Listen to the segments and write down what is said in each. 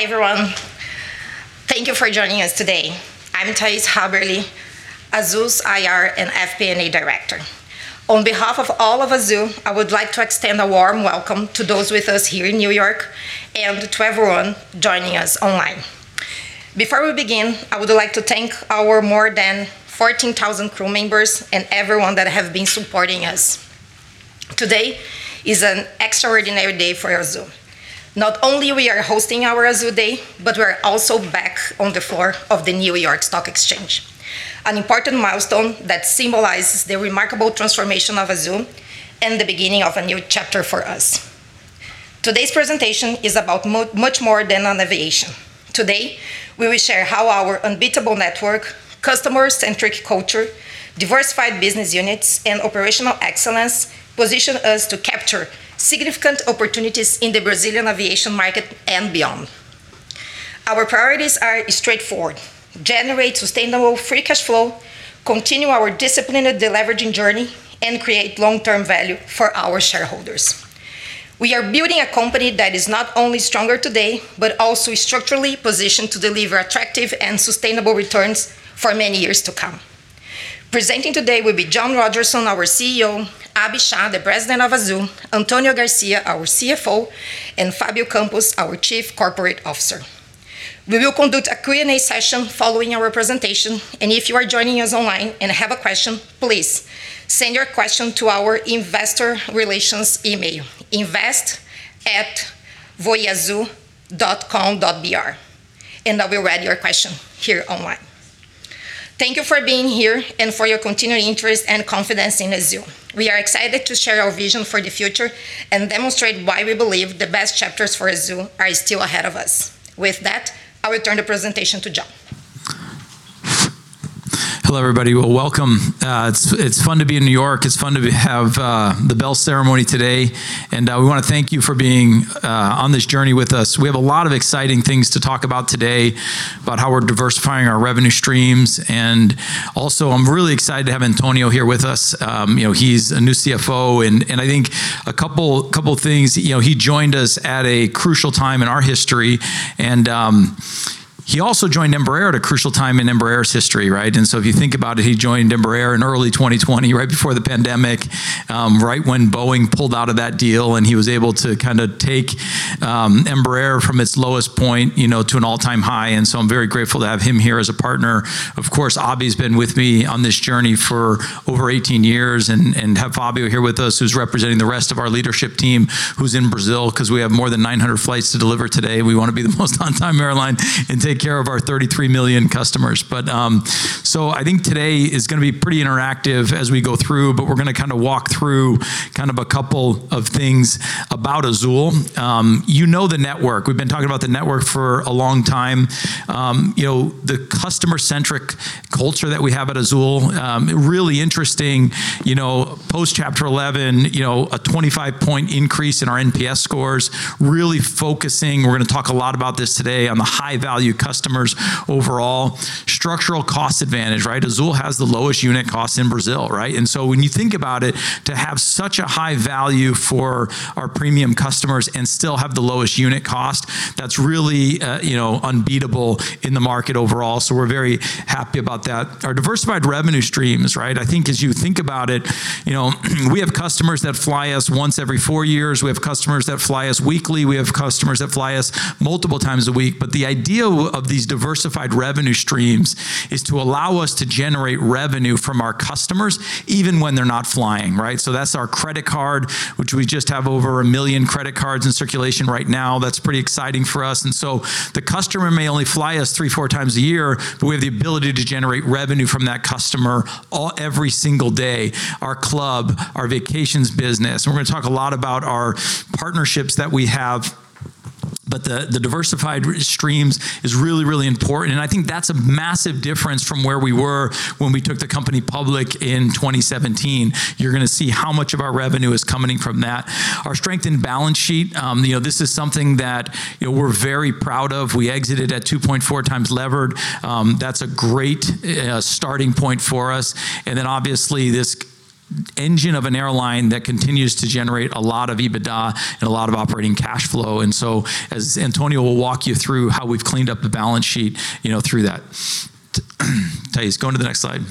Hi, everyone. Thank you for joining us today. I'm Thais Haberli, Azul's IR and FP&A Director. On behalf of all of Azul, I would like to extend a warm welcome to those with us here in New York, and to everyone joining us online. Before we begin, I would like to thank our more than 14,000 crew members and everyone that have been supporting us. Today is an extraordinary day for Azul. Not only we are hosting our Azul Day, but we are also back on the floor of the New York Stock Exchange, an important milestone that symbolizes the remarkable transformation of Azul and the beginning of a new chapter for us. Today's presentation is about much more than on aviation. Today, we will share how our unbeatable network, customer-centric culture, diversified business units, and operational excellence position us to capture significant opportunities in the Brazilian aviation market and beyond. Our priorities are straightforward: generate sustainable free cash flow, continue our disciplined de-leveraging journey, and create long-term value for our shareholders. We are building a company that is not only stronger today, but also is structurally positioned to deliver attractive and sustainable returns for many years to come. Presenting today will be John Rodgerson, our CEO, Abhi Shah, the President of Azul, Antonio Garcia, our CFO, and Fabio Campos, our Chief Corporate Officer. We will conduct a Q&A session following our presentation. If you are joining us online and have a question, please send your question to our investor relations email, invest@voazul.com.br. I will read your question here online. Thank you for being here and for your continuing interest and confidence in Azul. We are excited to share our vision for the future and demonstrate why we believe the best chapters for Azul are still ahead of us. With that, I will turn the presentation to John. Hello, everybody. Well, welcome. It's fun to be in New York. It's fun to have the bell ceremony today. We want to thank you for being on this journey with us. We have a lot of exciting things to talk about today, about how we're diversifying our revenue streams. Also, I'm really excited to have Antonio here with us. He's a new CFO. I think a couple of things. He joined us at a crucial time in our history. He also joined Embraer at a crucial time in Embraer's history. If you think about it, he joined Embraer in early 2020, right before the pandemic, right when Boeing pulled out of that deal. He was able to take Embraer from its lowest point to an all-time high. So I'm very grateful to have him here as a partner. Of course, Abhi's been with me on this journey for over 18 years. We have Fabio here with us, who's representing the rest of our leadership team who's in Brazil, because we have more than 900 flights to deliver today. We want to be the most on-time airline and take care of our 33 million customers. I think today is going to be pretty interactive as we go through, but we're going to walk through a couple of things about Azul. You know the network. We've been talking about the network for a long time. The customer-centric culture that we have at Azul, really interesting. Post Chapter 11, a 25-point increase in our NPS scores, really focusing, we're going to talk a lot about this today on the high-value customers overall. Structural cost advantage, Azul has the lowest unit cost in Brazil. When you think about it, to have such a high value for our premium customers and still have the lowest unit cost, that's really unbeatable in the market overall. We're very happy about that. Our diversified revenue streams. I think as you think about it, we have customers that fly us once every four years. We have customers that fly us weekly. We have customers that fly us multiple times a week. But the idea of these diversified revenue streams is to allow us to generate revenue from our customers even when they're not flying. That's our credit card, which we just have over 1 million credit cards in circulation right now. That's pretty exciting for us. The customer may only fly us three, four times a year, but we have the ability to generate revenue from that customer every single day. Our club, our vacations business, and we're going to talk a lot about our partnerships that we have. The diversified streams is really, really important, and I think that's a massive difference from where we were when we took the company public in 2017. You're going to see how much of our revenue is coming from that. Our strengthened balance sheet. This is something that we're very proud of. We exited at 2.4x levered. That's a great starting point for us. Obviously this engine of an airline that continues to generate a lot of EBITDA and a lot of operating cash flow. As Antonio will walk you through how we've cleaned up the balance sheet through that. Thais, go on to the next slide.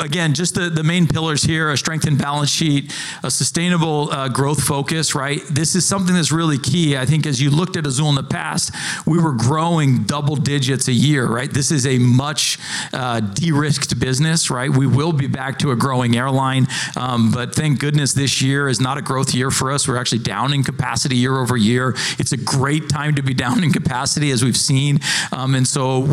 Again, just the main pillars here, a strengthened balance sheet, a sustainable growth focus. This is something that's really key. I think as you looked at Azul in the past, we were growing double digits a year. This is a much de-risked business. We will be back to a growing airline. Thank goodness this year is not a growth year for us. We're actually down in capacity year-over-year. It's a great time to be down in capacity, as we've seen.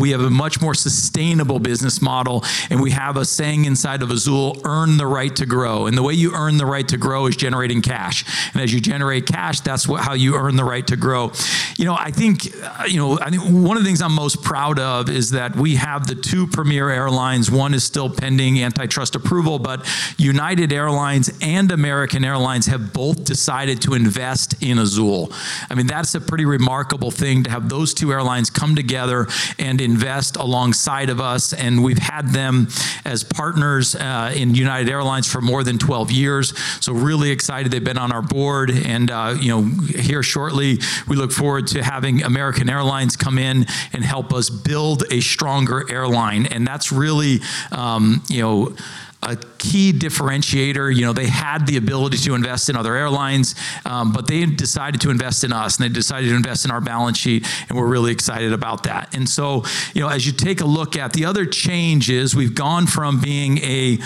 We have a much more sustainable business model, and we have a saying inside of Azul, "Earn the right to grow." The way you earn the right to grow is generating cash. As you generate cash, that's how you earn the right to grow. I think one of the things I'm most proud of is that we have the two premier airlines. One is still pending antitrust approval. United Airlines and American Airlines have both decided to invest in Azul. That's a pretty remarkable thing to have those two airlines come together and invest alongside of us. We've had them as partners in United Airlines for more than 12 years. Really excited they've been on our board. Here shortly, we look forward to having American Airlines come in and help us build a stronger airline. That's really a key differentiator. They had the ability to invest in other airlines, but they decided to invest in us. They decided to invest in our balance sheet, and we're really excited about that. As you take a look at the other changes, we've gone from being an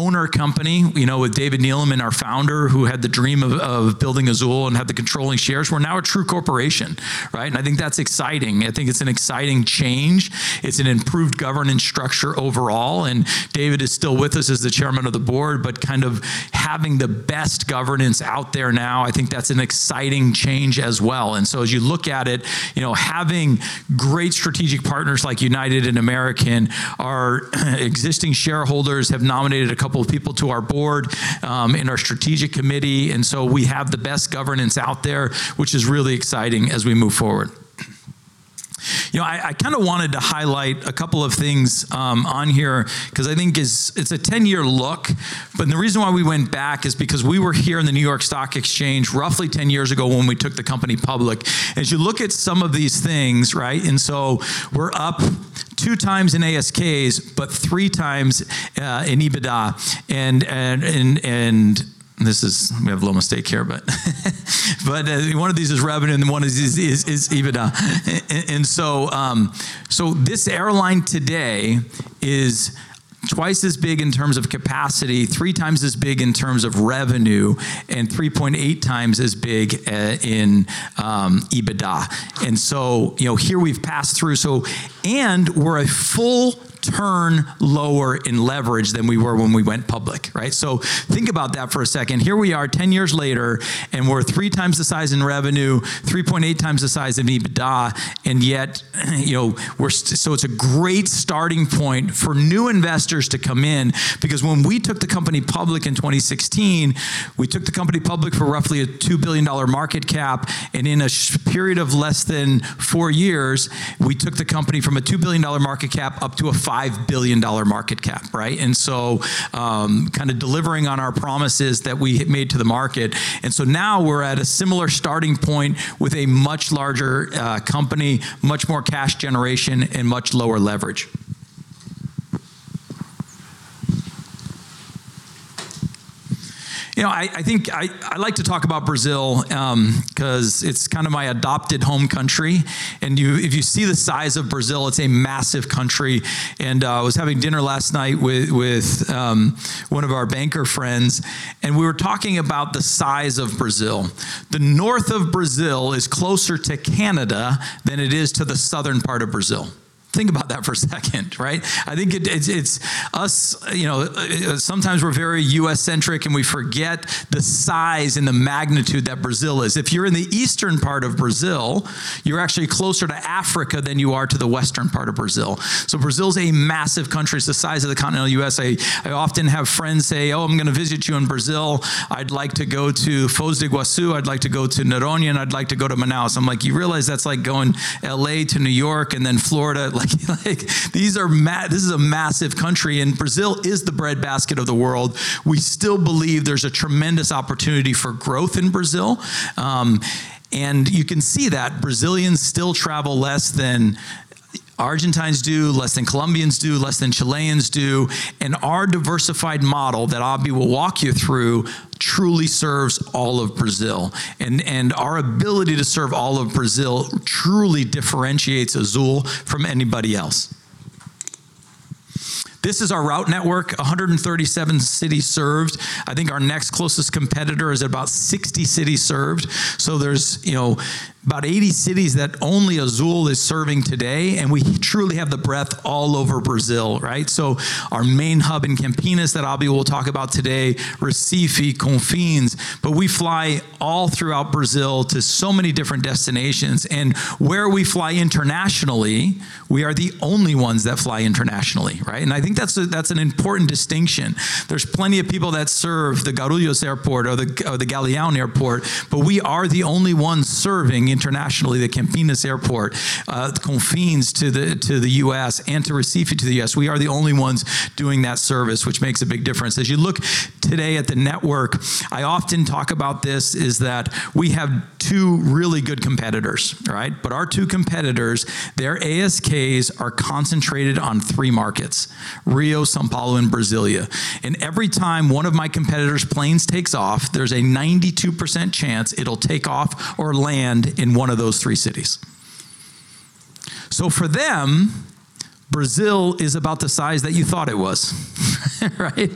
owner company, with David Neeleman, our founder, who had the dream of building Azul and had the controlling shares. We're now a true corporation, right? I think that's exciting. I think it's an exciting change. It's an improved governance structure overall. David is still with us as the chairman of the board. Kind of having the best governance out there now, I think that's an exciting change as well. As you look at it, having great strategic partners like United and American, our existing shareholders have nominated a couple of people to our board, and our strategic committee. We have the best governance out there, which is really exciting as we move forward. I wanted to highlight a couple of things on here, because I think it's a 10-year look. The reason why we went back is because we were here in the New York Stock Exchange roughly 10 years ago when we took the company public. As you look at some of these things, right? We're up two times in ASKs, three times in EBITDA. We have a little mistake here. One of these is revenue, then one is EBITDA. This airline today is twice as big in terms of capacity, three times as big in terms of revenue, and 3.8x as big in EBITDA. Here we've passed through. We're a full turn lower in leverage than we were when we went public, right? Think about that for a second. Here we are, 10 years later. We're three times the size in revenue, 3.8x the size in EBITDA. It's a great starting point for new investors to come in. Because when we took the company public in 2016, we took the company public for roughly a BRL 2 billion market cap. In a period of less than four years, we took the company from a BRL 2 billion market cap up to a BRL 5 billion market cap, right? Delivering on our promises that we had made to the market. Now we're at a similar starting point with a much larger company, much more cash generation, and much lower leverage. I think I like to talk about Brazil, because it's kind of my adopted home country. If you see the size of Brazil, it's a massive country. I was having dinner last night with one of our banker friends, and we were talking about the size of Brazil. The north of Brazil is closer to Canada than it is to the southern part of Brazil. Think about that for a second, right? Sometimes we're very U.S.-centric, and we forget the size and the magnitude that Brazil is. If you're in the eastern part of Brazil, you're actually closer to Africa than you are to the western part of Brazil. Brazil is a massive country. It's the size of the continental U.S.A. I often have friends say, "Oh, I'm going to visit you in Brazil. I'd like to go to Foz do Iguaçu, I'd like to go to Noronha, and I'd like to go to Manaus." I'm like, you realize that's like going L.A. to New York and then Florida. This is a massive country. Brazil is the breadbasket of the world. We still believe there's a tremendous opportunity for growth in Brazil. You can see that Brazilians still travel less than Argentines do, less than Colombians do, less than Chileans do. Our diversified model that Abhi will walk you through truly serves all of Brazil. Our ability to serve all of Brazil truly differentiates Azul from anybody else. This is our route network, 137 cities served. I think our next closest competitor is about 60 cities served. There's about 80 cities that only Azul is serving today. We truly have the breadth all over Brazil, right? Our main hub in Campinas that Abhi will talk about today, Recife, Confins. We fly all throughout Brazil to so many different destinations. Where we fly internationally, we are the only ones that fly internationally, right? I think that's an important distinction. There's plenty of people that serve the Guarulhos Airport or the Galeão Airport. We are the only ones serving internationally, the Campinas Airport, Confins to the U.S., and Recife to the U.S. We are the only ones doing that service, which makes a big difference. As you look today at the network, I often talk about this, is that we have two really good competitors, right? Our two competitors, their ASKs are concentrated on three markets, Rio, São Paulo, and Brasília. Every time one of my competitor's planes takes off, there's a 92% chance it'll take off or land in one of those three cities. For them, Brazil is about the size that you thought it was. Right?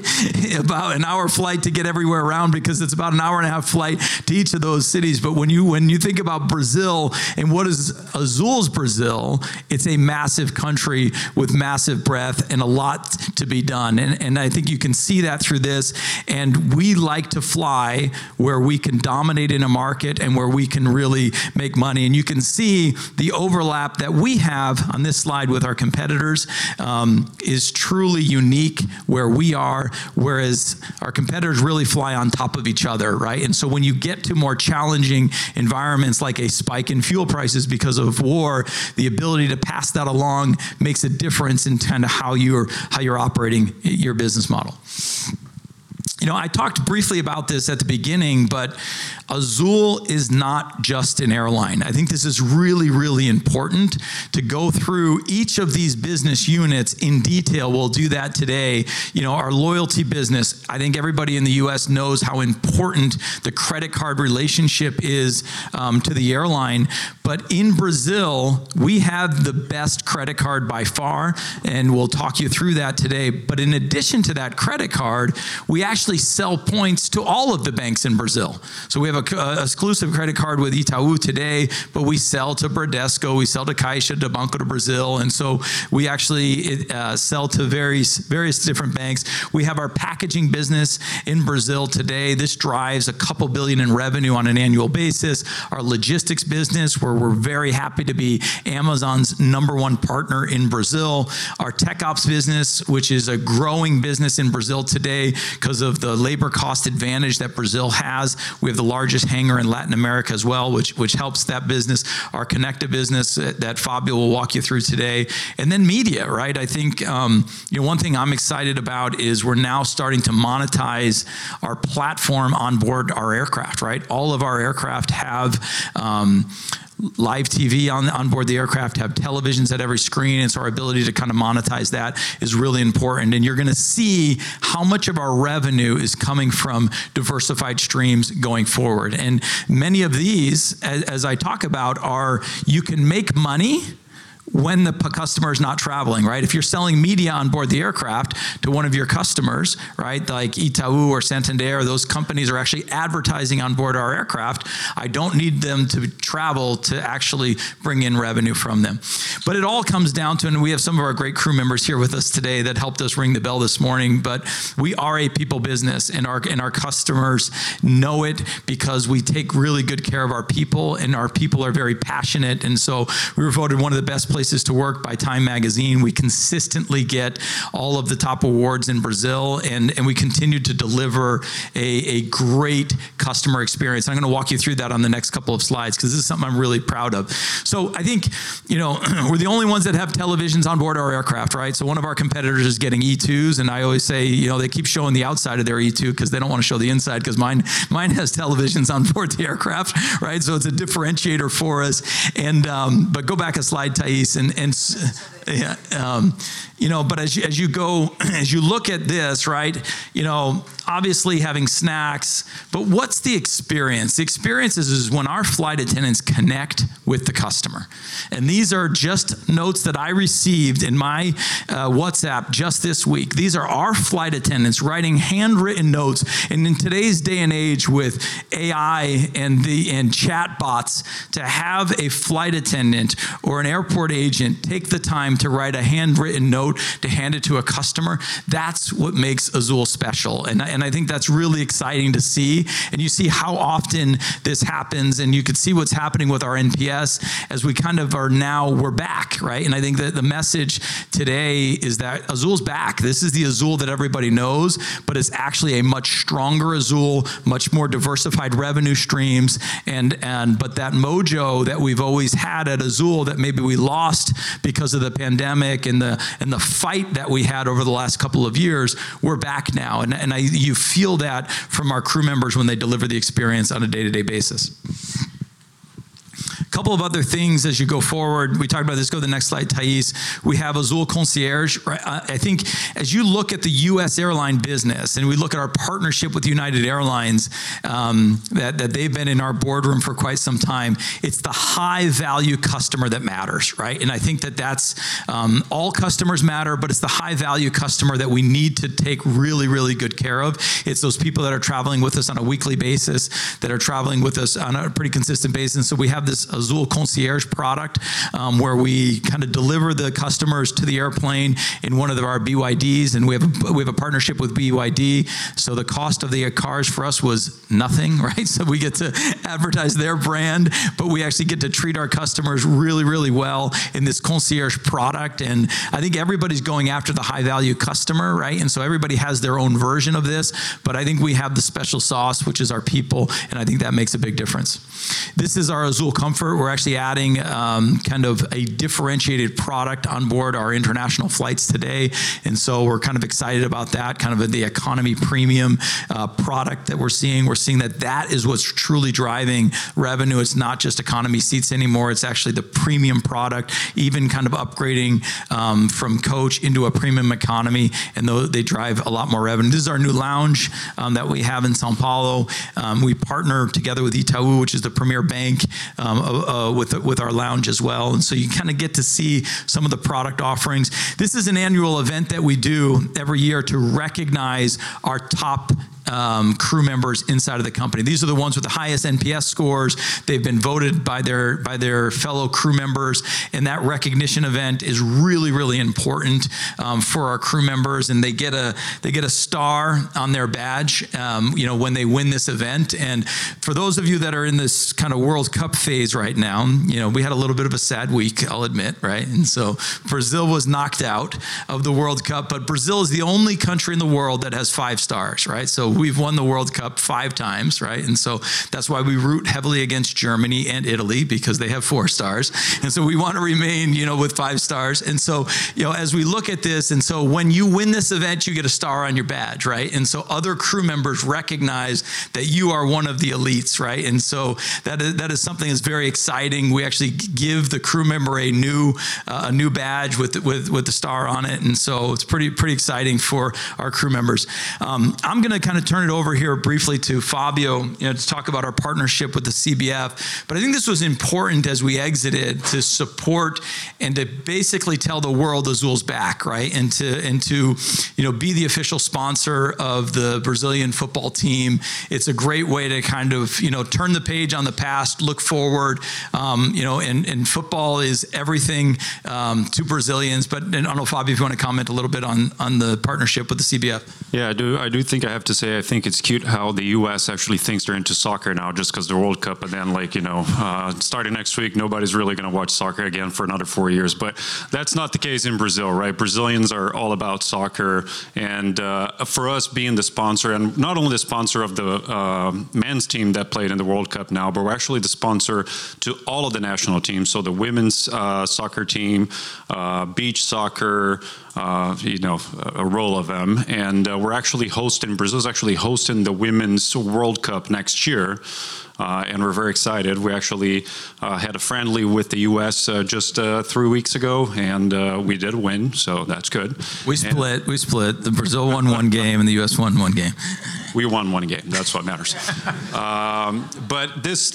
About an hour flight to get everywhere around because it's about an hour and a half flight to each of those cities. When you think about Brazil and what is Azul's Brazil, it's a massive country with massive breadth and a lot to be done. I think you can see that through this. We like to fly where we can dominate in a market and where we can really make money. You can see the overlap that we have on this slide with our competitors, is truly unique where we are, whereas our competitors really fly on top of each other, right? When you get to more challenging environments like a spike in fuel prices because of war, the ability to pass that along makes a difference in terms of how you're operating your business model. I talked briefly about this at the beginning. Azul is not just an airline. I think this is really, really important to go through each of these business units in detail. We'll do that today. Our loyalty business, I think everybody in the U.S. knows how important the credit card relationship is to the airline. In Brazil, we have the best credit card by far, and we'll talk you through that today. In addition to that credit card, we actually sell points to all of the banks in Brazil. We have a exclusive credit card with Itaú today, but we sell to Bradesco, we sell to Caixa, to Banco do Brasil. We actually sell to various different banks. We have our Azul Viagens in Brazil today. This drives a couple billion in revenue on an annual basis. Our Azul Logística, where we're very happy to be Amazon's number one partner in Brazil. Our Azul TecOps, which is a growing business in Brazil today because of the labor cost advantage that Brazil has. We have the largest hangar in Latin America as well, which helps that business. Our Azul Conecta that Fabio will walk you through today. Then Azul Media. I think one thing I'm excited about is we're now starting to monetize our platform onboard our aircraft. All of our aircraft have live TV onboard the aircraft, have televisions at every screen. Our ability to monetize that is really important. You're going to see how much of our revenue is coming from diversified streams going forward. Many of these, as I talk about are you can make money when the customer is not traveling. If you're selling media onboard the aircraft to one of your customers, like Itaú or Santander, those companies are actually advertising onboard our aircraft. I don't need them to travel to actually bring in revenue from them. It all comes down to, and we have some of our great crew members here with us today that helped us ring the bell this morning. We are a people business, and our customers know it because we take really good care of our people, and our people are very passionate. We were voted one of the best places to work by Time Magazine. We consistently get all of the top awards in Brazil, and we continue to deliver a great customer experience. I'm going to walk you through that on the next couple of slides because this is something I'm really proud of. I think we're the only ones that have televisions onboard our aircraft. One of our competitors is getting E2s, and I always say they keep showing the outside of their E2 because they don't want to show the inside, because mine has televisions onboard the aircraft. It's a differentiator for us. Go back a slide, Thais. Sorry As you look at this, obviously having snacks, but what's the experience? The experience is when our flight attendants connect with the customer. These are just notes that I received in my WhatsApp just this week. These are our flight attendants writing handwritten notes. In today's day and age with AI and chatbots, to have a flight attendant or an airport agent take the time to write a handwritten note to hand it to a customer, that's what makes Azul special. I think that's really exciting to see. You see how often this happens, and you could see what's happening with our NPS as we kind of are now, we're back. I think that the message today is that Azul's back. This is the Azul that everybody knows, it's actually a much stronger Azul, much more diversified revenue streams, that mojo that we've always had at Azul that maybe we lost because of the pandemic and the fight that we had over the last couple of years, we're back now. You feel that from our crew members when they deliver the experience on a day-to-day basis. Couple of other things as you go forward. We talked about this. Go to the next slide, Thais. We have Azul Concierge. I think as you look at the U.S. airline business, and we look at our partnership with United Airlines, that they've been in our boardroom for quite some time. It's the high-value customer that matters. I think that that's, all customers matter, but it's the high-value customer that we need to take really, really good care of. It's those people that are traveling with us on a weekly basis, that are traveling with us on a pretty consistent basis. We have this Azul Concierge product, where we deliver the customers to the airplane in one of our BYDs, and we have a partnership with BYD. The cost of the cars for us was nothing. We get to advertise their brand, we actually get to treat our customers really, really well in this concierge product. I think everybody's going after the high-value customer. Everybody has their own version of this, I think we have the special sauce, which is our people, I think that makes a big difference. This is our Azul Comfort. We're actually adding a differentiated product onboard our international flights today. We're excited about that, the economy premium product that we're seeing. We're seeing that that is what's truly driving revenue. It's not just economy seats anymore. It's actually the premium product, even upgrading from coach into a premium economy, they drive a lot more revenue. This is our new lounge that we have in São Paulo. We partner together with Itaú, which is the premier bank, with our lounge as well. You get to see some of the product offerings. This is an annual event that we do every year to recognize our top crew members inside of the company. These are the ones with the highest NPS scores. They've been voted by their fellow crew members, that recognition event is really, really important for our crew members, they get a star on their badge when they win this event. For those of you that are in this World Cup phase right now, we had a little bit of a sad week, I'll admit. Brazil was knocked out of the World Cup, but Brazil is the only country in the world that has five stars. We've won the World Cup five times. That's why we root heavily against Germany and Italy, because they have four stars. We want to remain with five stars. As we look at this, when you win this event, you get a star on your badge. Other crew members recognize that you are one of the elites. That is something that's very exciting. We actually give the crew member a new badge with the star on it's pretty exciting for our crew members. I'm going to turn it over here briefly to Fabio to talk about our partnership with the CBF. I think this was important as we exited to support and to basically tell the world Azul's back. To be the official sponsor of the Brazilian football team. It's a great way to turn the page on the past, look forward. Football is everything to Brazilians. I don't know, Fabio, if you want to comment a little bit on the partnership with the CBF. I do think I have to say, I think it's cute how the U.S. actually thinks they're into soccer now just because the World Cup. Starting next week, nobody's really going to watch soccer again for another four years. That's not the case in Brazil, right? Brazilians are all about soccer, for us, being the sponsor, not only the sponsor of the men's team that played in the World Cup now, but we're actually the sponsor to all of the national teams, so the women's soccer team, beach soccer, a roll of them. Brazil is actually hosting the Women's World Cup next year. We're very excited. We actually had a friendly with the U.S. just three weeks ago, we did win, so that's good. We split. Brazil won one game, and the U.S. won one game. We won one game. That's what matters.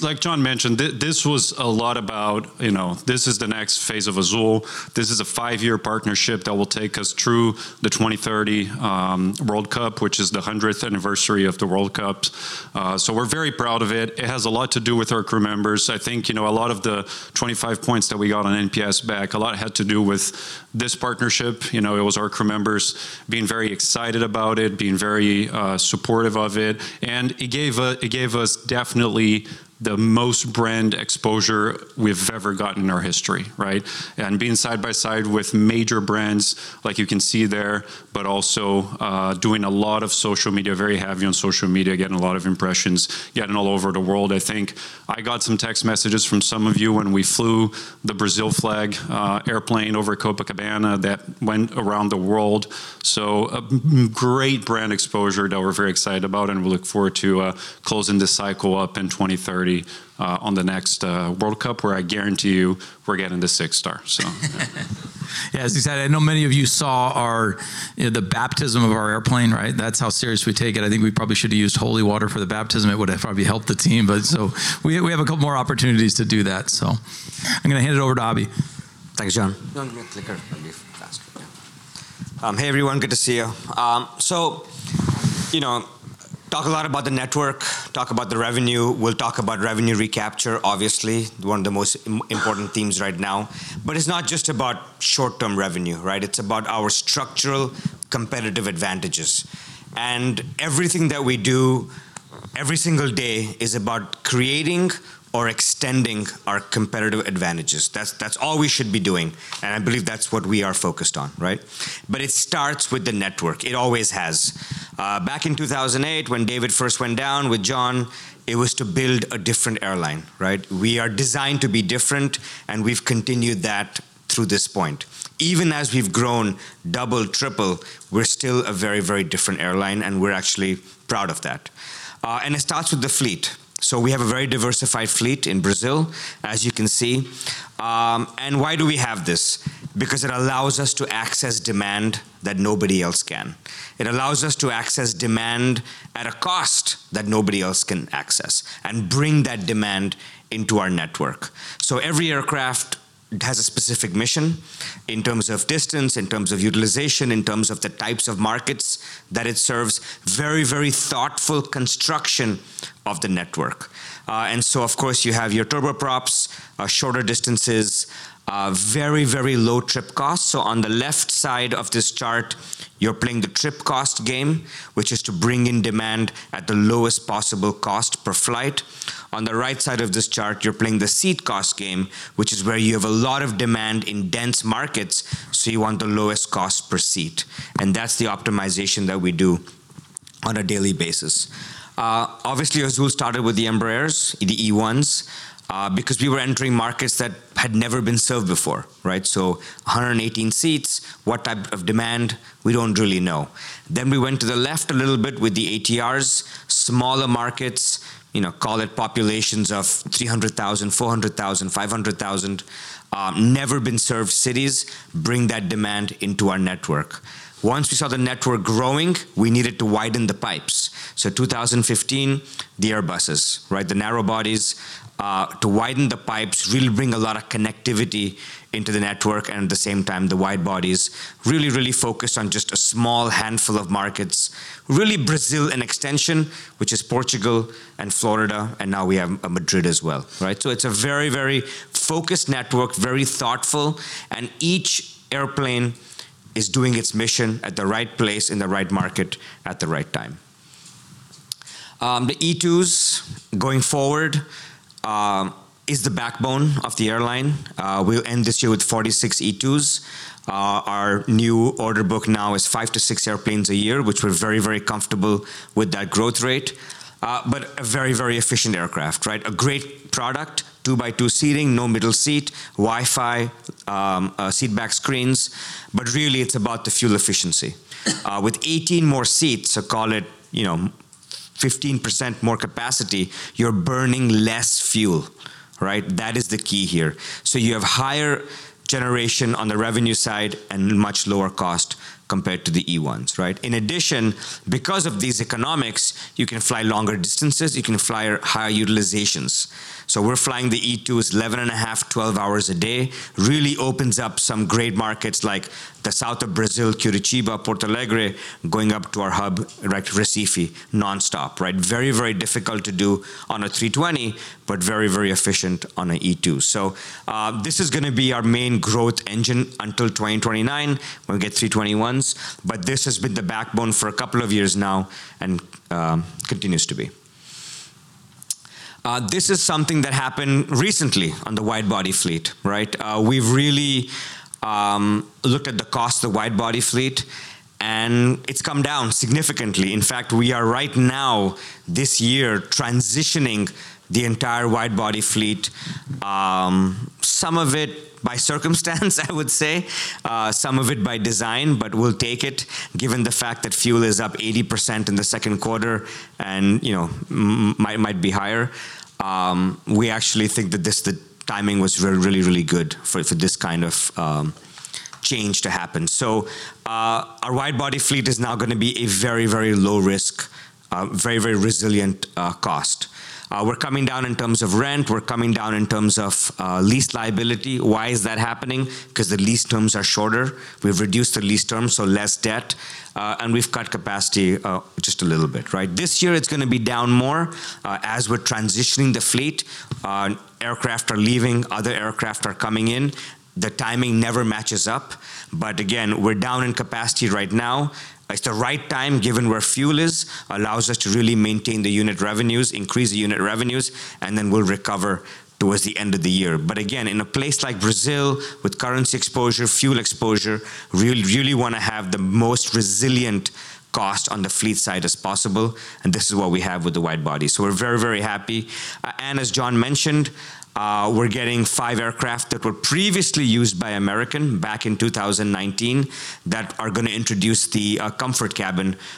Like John mentioned, this was a lot about, this is the next phase of Azul. This is a five-year partnership that will take us through the 2030 World Cup, which is the 100th anniversary of the World Cup. We're very proud of it. It has a lot to do with our crew members. I think, a lot of the 25 points that we got on NPS back, a lot had to do with this partnership. It was our crew members being very excited about it, being very supportive of it. It gave us definitely the most brand exposure we've ever gotten in our history, right? Being side by side with major brands, like you can see there, but also doing a lot of social media, very heavy on social media, getting a lot of impressions, getting all over the world. I think I got some text messages from some of you when we flew the Brazil flag airplane over Copacabana that went around the world. A great brand exposure that we're very excited about, and we look forward to closing this cycle up in 2030 on the next World Cup, where I guarantee you we're getting the six star. Yeah, as you said, I know many of you saw the baptism of our airplane, right? That's how serious we take it. I think we probably should have used holy water for the baptism. It would have probably helped the team. We have a couple more opportunities to do that. I'm going to hand it over to Abhi. Thanks, John. Do you want to give me the clicker? That'd be faster. Yeah. Hey, everyone, good to see you. Talk a lot about the network, talk about the revenue. We'll talk about revenue recapture, obviously, one of the most important themes right now. It's not just about short-term revenue, right? Everything that we do every single day is about creating or extending our competitive advantages. That's all we should be doing, and I believe that's what we are focused on, right? It starts with the network. It always has. Back in 2008, when David first went down with John, it was to build a different airline, right? We are designed to be different, and we've continued that through this point. Even as we've grown double, triple, we're still a very, very different airline, and we're actually proud of that. It starts with the fleet. We have a very diversified fleet in Brazil, as you can see. Why do we have this? Because it allows us to access demand that nobody else can. It allows us to access demand at a cost that nobody else can access and bring that demand into our network. Every aircraft has a specific mission in terms of distance, in terms of utilization, in terms of the types of markets that it serves, very, very thoughtful construction of the network. Of course, you have your turboprops, shorter distances, very, very low trip cost. On the left side of this chart, you're playing the trip cost game, which is to bring in demand at the lowest possible cost per flight. On the right side of this chart, you're playing the seat cost game, which is where you have a lot of demand in dense markets, you want the lowest cost per seat. That's the optimization that we do on a daily basis. Obviously, Azul started with the Embraers, the E2s, because we were entering markets that had never been served before, right? 118 seats, what type of demand? We don't really know. We went to the left a little bit with the ATRs, smaller markets, call it populations of 300,000, 400,000, 500,000. Never-been-served cities, bring that demand into our network. Once we saw the network growing, we needed to widen the pipes. 2015, the Airbuses, right? The narrow bodies to widen the pipes, really bring a lot of connectivity into the network. At the same time, the wide bodies really focus on just a small handful of markets. Brazil, an extension, which is Portugal and Florida. Now we have Madrid as well, right? It's a very focused network, very thoughtful, and each airplane is doing its mission at the right place, in the right market, at the right time. The E2s going forward is the backbone of the airline. We will end this year with 46 E2s. Our new order book now is five to six airplanes a year, which we are very comfortable with that growth rate. A very efficient aircraft, right? A great product, two-by-two seating, no middle seat, Wi-Fi, seat back screens. Really, it's about the fuel efficiency. With 18 more seats, call it 15% more capacity, you are burning less fuel, right? That is the key here. You have higher generation on the revenue side and much lower cost compared to the E1s, right? In addition, because of these economics, you can fly longer distances, you can fly higher utilizations. We are flying the E2s 11.5, 12 hours a day. Opens up some great markets like the south of Brazil, Curitiba, Porto Alegre, going up to our hub, Recife, nonstop. Very difficult to do on an A320, but very efficient on an E2. This is going to be our main growth engine until 2029, when we get A321s. This has been the backbone for a couple of years now and continues to be. This is something that happened recently on the wide-body fleet. We have really looked at the cost of wide-body fleet, and it has come down significantly. In fact, we are right now, this year, transitioning the entire wide-body fleet. Some of it by circumstance, I would say, some of it by design, but we will take it, given the fact that fuel is up 80% in the second quarter and might be higher. We actually think that the timing was really good for this kind of change to happen. Our wide-body fleet is now going to be a very low risk, very resilient cost. We are coming down in terms of rent. We are coming down in terms of lease liability. Why is that happening? Because the lease terms are shorter. We have reduced the lease terms, less debt. We have cut capacity just a little bit. This year, it is going to be down more. As we are transitioning the fleet, aircraft are leaving, other aircraft are coming in. The timing never matches up. Again, we are down in capacity right now. It is the right time, given where fuel is, allows us to really maintain the unit revenues, increase the unit revenues. Then we will recover towards the end of the year. Again, in a place like Brazil with currency exposure, fuel exposure, really want to have the most resilient cost on the fleet side as possible, and this is what we have with the wide body. We are very happy. As John mentioned, we are getting five aircraft that were previously used by American back in 2019 that are going to introduce the Azul Comfort,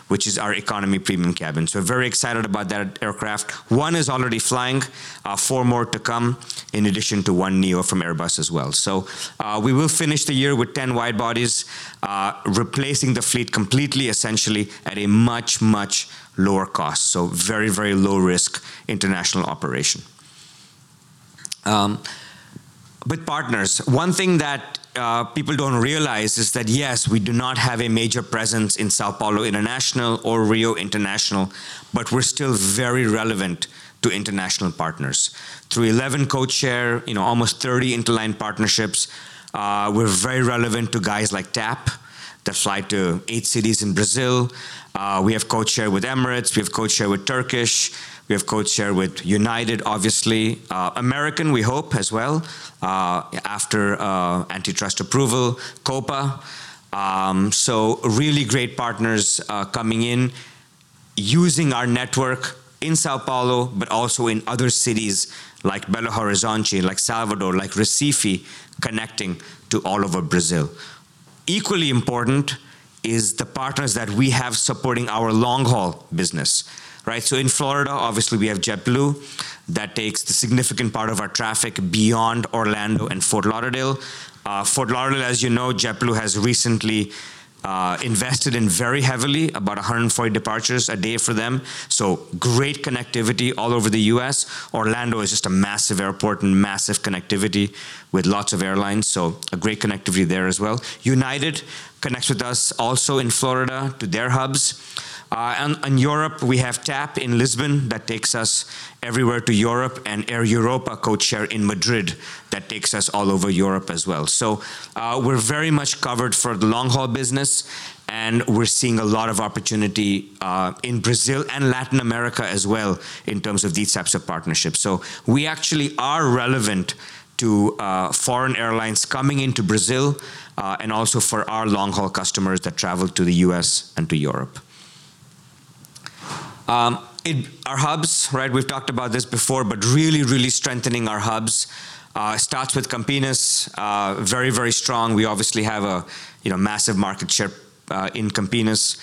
which is our economy premium cabin. Very excited about that aircraft. One is already flying. Four more to come, in addition to one neo from Airbus as well. We will finish the year with 10 wide bodies, replacing the fleet completely, essentially, at a much, much lower cost. Very, very low risk international operation. With partners, one thing that people don't realize is that, yes, we do not have a major presence in São Paulo International or Rio International, but we're still very relevant to international partners. Through 11 code share, almost 30 interline partnerships, we're very relevant to guys like TAP, that fly to eight cities in Brazil. We have code share with Emirates. We have code share with Turkish. We have code share with United, obviously. American, we hope as well, after antitrust approval. Copa. Really great partners coming in, using our network in São Paulo, but also in other cities like Belo Horizonte, like Salvador, like Recife, connecting to all over Brazil. Equally important is the partners that we have supporting our long-haul business. In Florida, obviously we have JetBlue. That takes the significant part of our traffic beyond Orlando and Fort Lauderdale. Fort Lauderdale, as you know, JetBlue has recently invested in very heavily, about 140 departures a day for them. Great connectivity all over the U.S. Orlando is just a massive airport and massive connectivity with lots of airlines, a great connectivity there as well. United connects with us also in Florida to their hubs. In Europe, we have TAP in Lisbon that takes us everywhere to Europe, and Air Europa code share in Madrid that takes us all over Europe as well. We're very much covered for the long-haul business, and we're seeing a lot of opportunity in Brazil and Latin America as well in terms of these types of partnerships. We actually are relevant to foreign airlines coming into Brazil, and also for our long-haul customers that travel to the U.S. and to Europe. Our hubs. We've talked about this before, but really, really strengthening our hubs. Starts with Campinas. Very, very strong. We obviously have a massive market share in Campinas.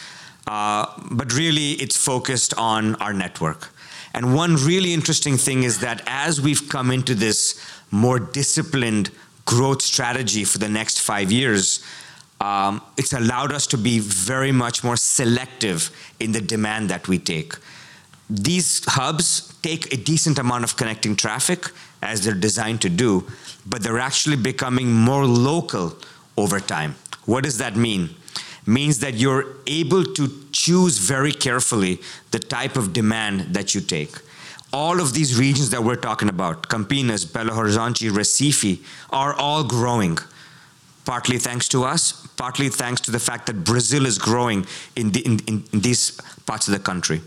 But really, it's focused on our network. And one really interesting thing is that as we've come into this more disciplined growth strategy for the next five years, it's allowed us to be very much more selective in the demand that we take. These hubs take a decent amount of connecting traffic, as they're designed to do, but they're actually becoming more local over time. What does that mean? Means that you're able to choose very carefully the type of demand that you take. All of these regions that we're talking about, Campinas, Belo Horizonte, Recife, are all growing. Partly thanks to us, partly thanks to the fact that Brazil is growing in these parts of the country.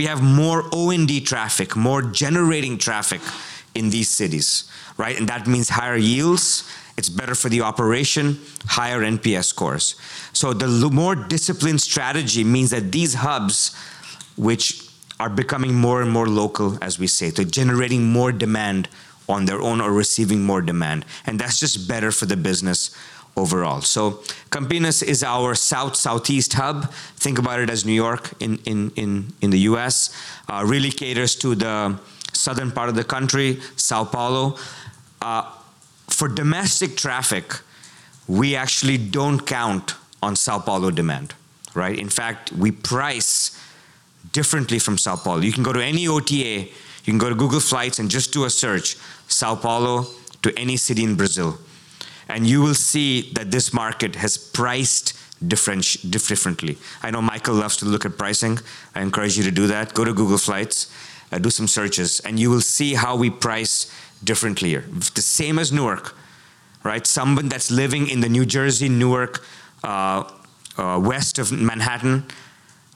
We have more O&D traffic, more generating traffic in these cities. That means higher yields, it's better for the operation, higher NPS scores. The more disciplined strategy means that these hubs, which are becoming more and more local, as we say, they're generating more demand on their own or receiving more demand, and that's just better for the business overall. Campinas is our south, southeast hub. Think about it as New York in the U.S. Really caters to the southern part of the country, São Paulo. For domestic traffic, we actually don't count on São Paulo demand. In fact, we price differently from São Paulo. You can go to any OTA, you can go to Google Flights and just do a search, São Paulo to any city in Brazil, and you will see that this market has priced differently. I know Michael loves to look at pricing. I encourage you to do that. Go to Google Flights, do some searches, and you will see how we price differently here. The same as Newark. Someone that's living in New Jersey, Newark, west of Manhattan,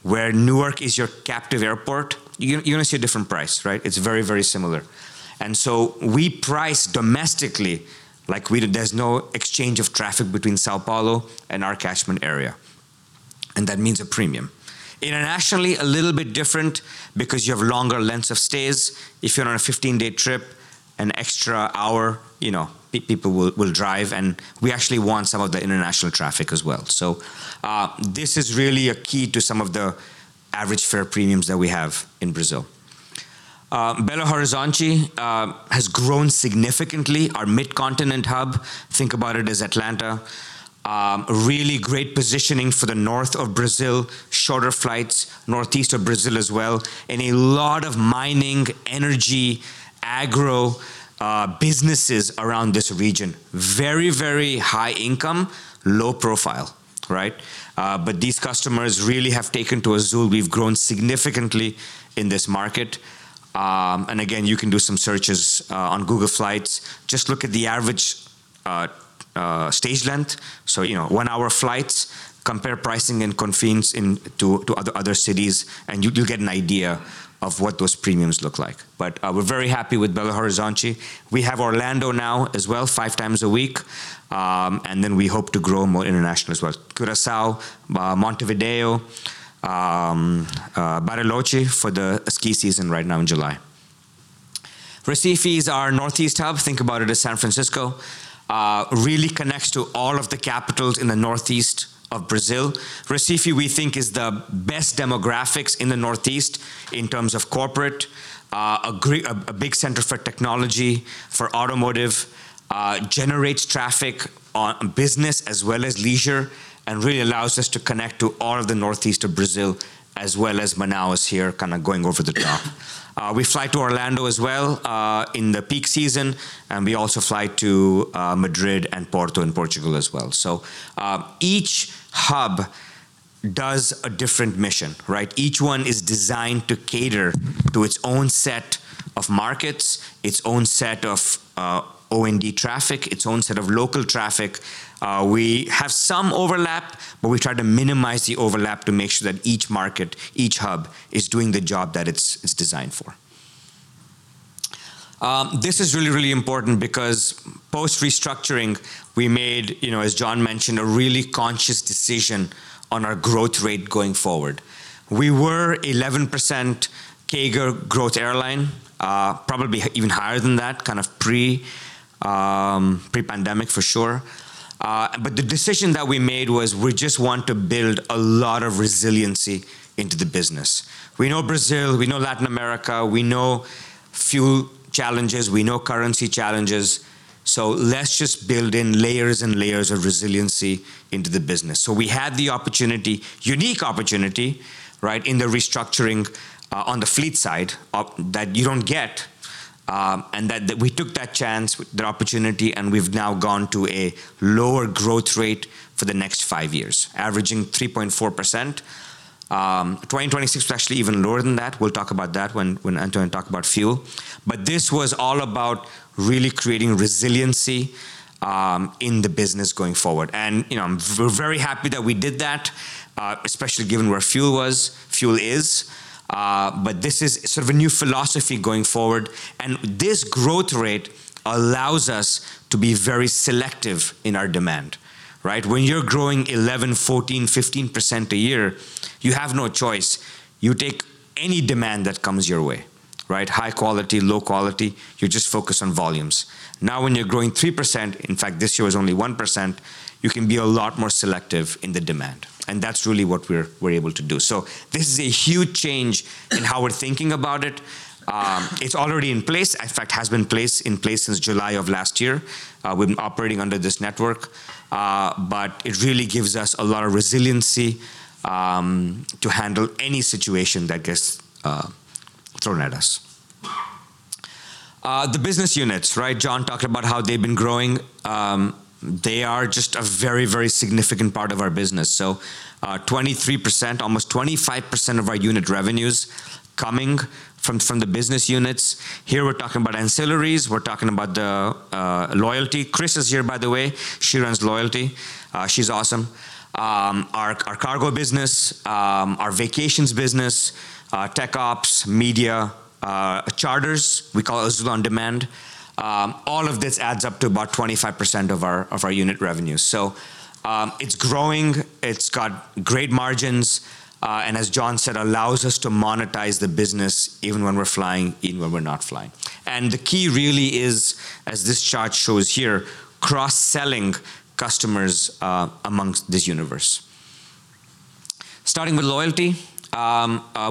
where Newark is your captive airport, you're going to see a different price. It's very similar. We price domestically like there's no exchange of traffic between São Paulo and our catchment area, and that means a premium. Internationally, a little bit different because you have longer lengths of stays. If you're on a 15-day trip, an extra hour, people will drive, and we actually want some of the international traffic as well. This is really a key to some of the average fare premiums that we have in Brazil. Belo Horizonte has grown significantly. Our mid-continent hub, think about it as Atlanta. Really great positioning for the north of Brazil, shorter flights, northeast of Brazil as well, and a lot of mining, energy, agro businesses around this region. Very high income, low profile. These customers really have taken to Azul. We've grown significantly in this market. Again, you can do some searches on Google Flights. Just look at the average stage length. One-hour flights, compare pricing and convenience to other cities, and you'll get an idea of what those premiums look like. We're very happy with Belo Horizonte. We have Orlando now as well, five times a week. We hope to grow more international as well. Curaçao, Montevideo, Bariloche for the ski season right now in July. Recife is our northeast hub. Think about it as San Francisco. Really connects to all of the capitals in the northeast of Brazil. Recife, we think is the best demographics in the northeast in terms of corporate, a big center for technology, for automotive, generates traffic on business as well as leisure, and really allows us to connect to all of the northeast of Brazil as well as Manaus here, kind of going over the top. We fly to Orlando as well in the peak season, and we also fly to Madrid and Porto in Portugal as well. Each hub does a different mission. Each one is designed to cater to its own set of markets, its own set of O&D traffic, its own set of local traffic. We have some overlap, but we try to minimize the overlap to make sure that each market, each hub, is doing the job that it's designed for. This is really important because post-restructuring, we made, as John mentioned, a really conscious decision on our growth rate going forward. We were 11% CAGR growth airline, probably even higher than that, pre-pandemic for sure. The decision that we made was we just want to build a lot of resiliency into the business. We know Brazil, we know Latin America, we know fuel challenges, we know currency challenges, let's just build in layers and layers of resiliency into the business. We had the opportunity, unique opportunity, in the restructuring on the fleet side that you don't get, we took that chance, that opportunity, and we've now gone to a lower growth rate for the next five years, averaging 3.4%. 2026 was actually even lower than that. We'll talk about that when Antonio talk about fuel. This was all about really creating resiliency in the business going forward. We're very happy that we did that, especially given where fuel is. This is sort of a new philosophy going forward, and this growth rate allows us to be very selective in our demand. When you're growing 11, 14, 15% a year, you have no choice. You take any demand that comes your way. High quality, low quality, you just focus on volumes. When you're growing 3%, in fact, this year was only 1%, you can be a lot more selective in the demand, and that's really what we're able to do. This is a huge change in how we're thinking about it. It's already in place. In fact, has been in place since July of last year. We've been operating under this network, it really gives us a lot of resiliency to handle any situation that gets thrown at us. The business units. John talked about how they've been growing. They are just a very significant part of our business. 23%, almost 25% of our unit revenues coming from the business units. Here we're talking about ancillaries. We're talking about the Loyalty. Chris is here, by the way. She runs Loyalty. She's awesome. Our cargo business, our vacations business, TecOps, Media, charters, we call Azul OnDemand. All of this adds up to about 25% of our unit revenues. It's growing, it's got great margins, and as John said, allows us to monetize the business even when we're flying, even when we're not flying. The key really is, as this chart shows here, cross-selling customers amongst this universe. Starting with Loyalty,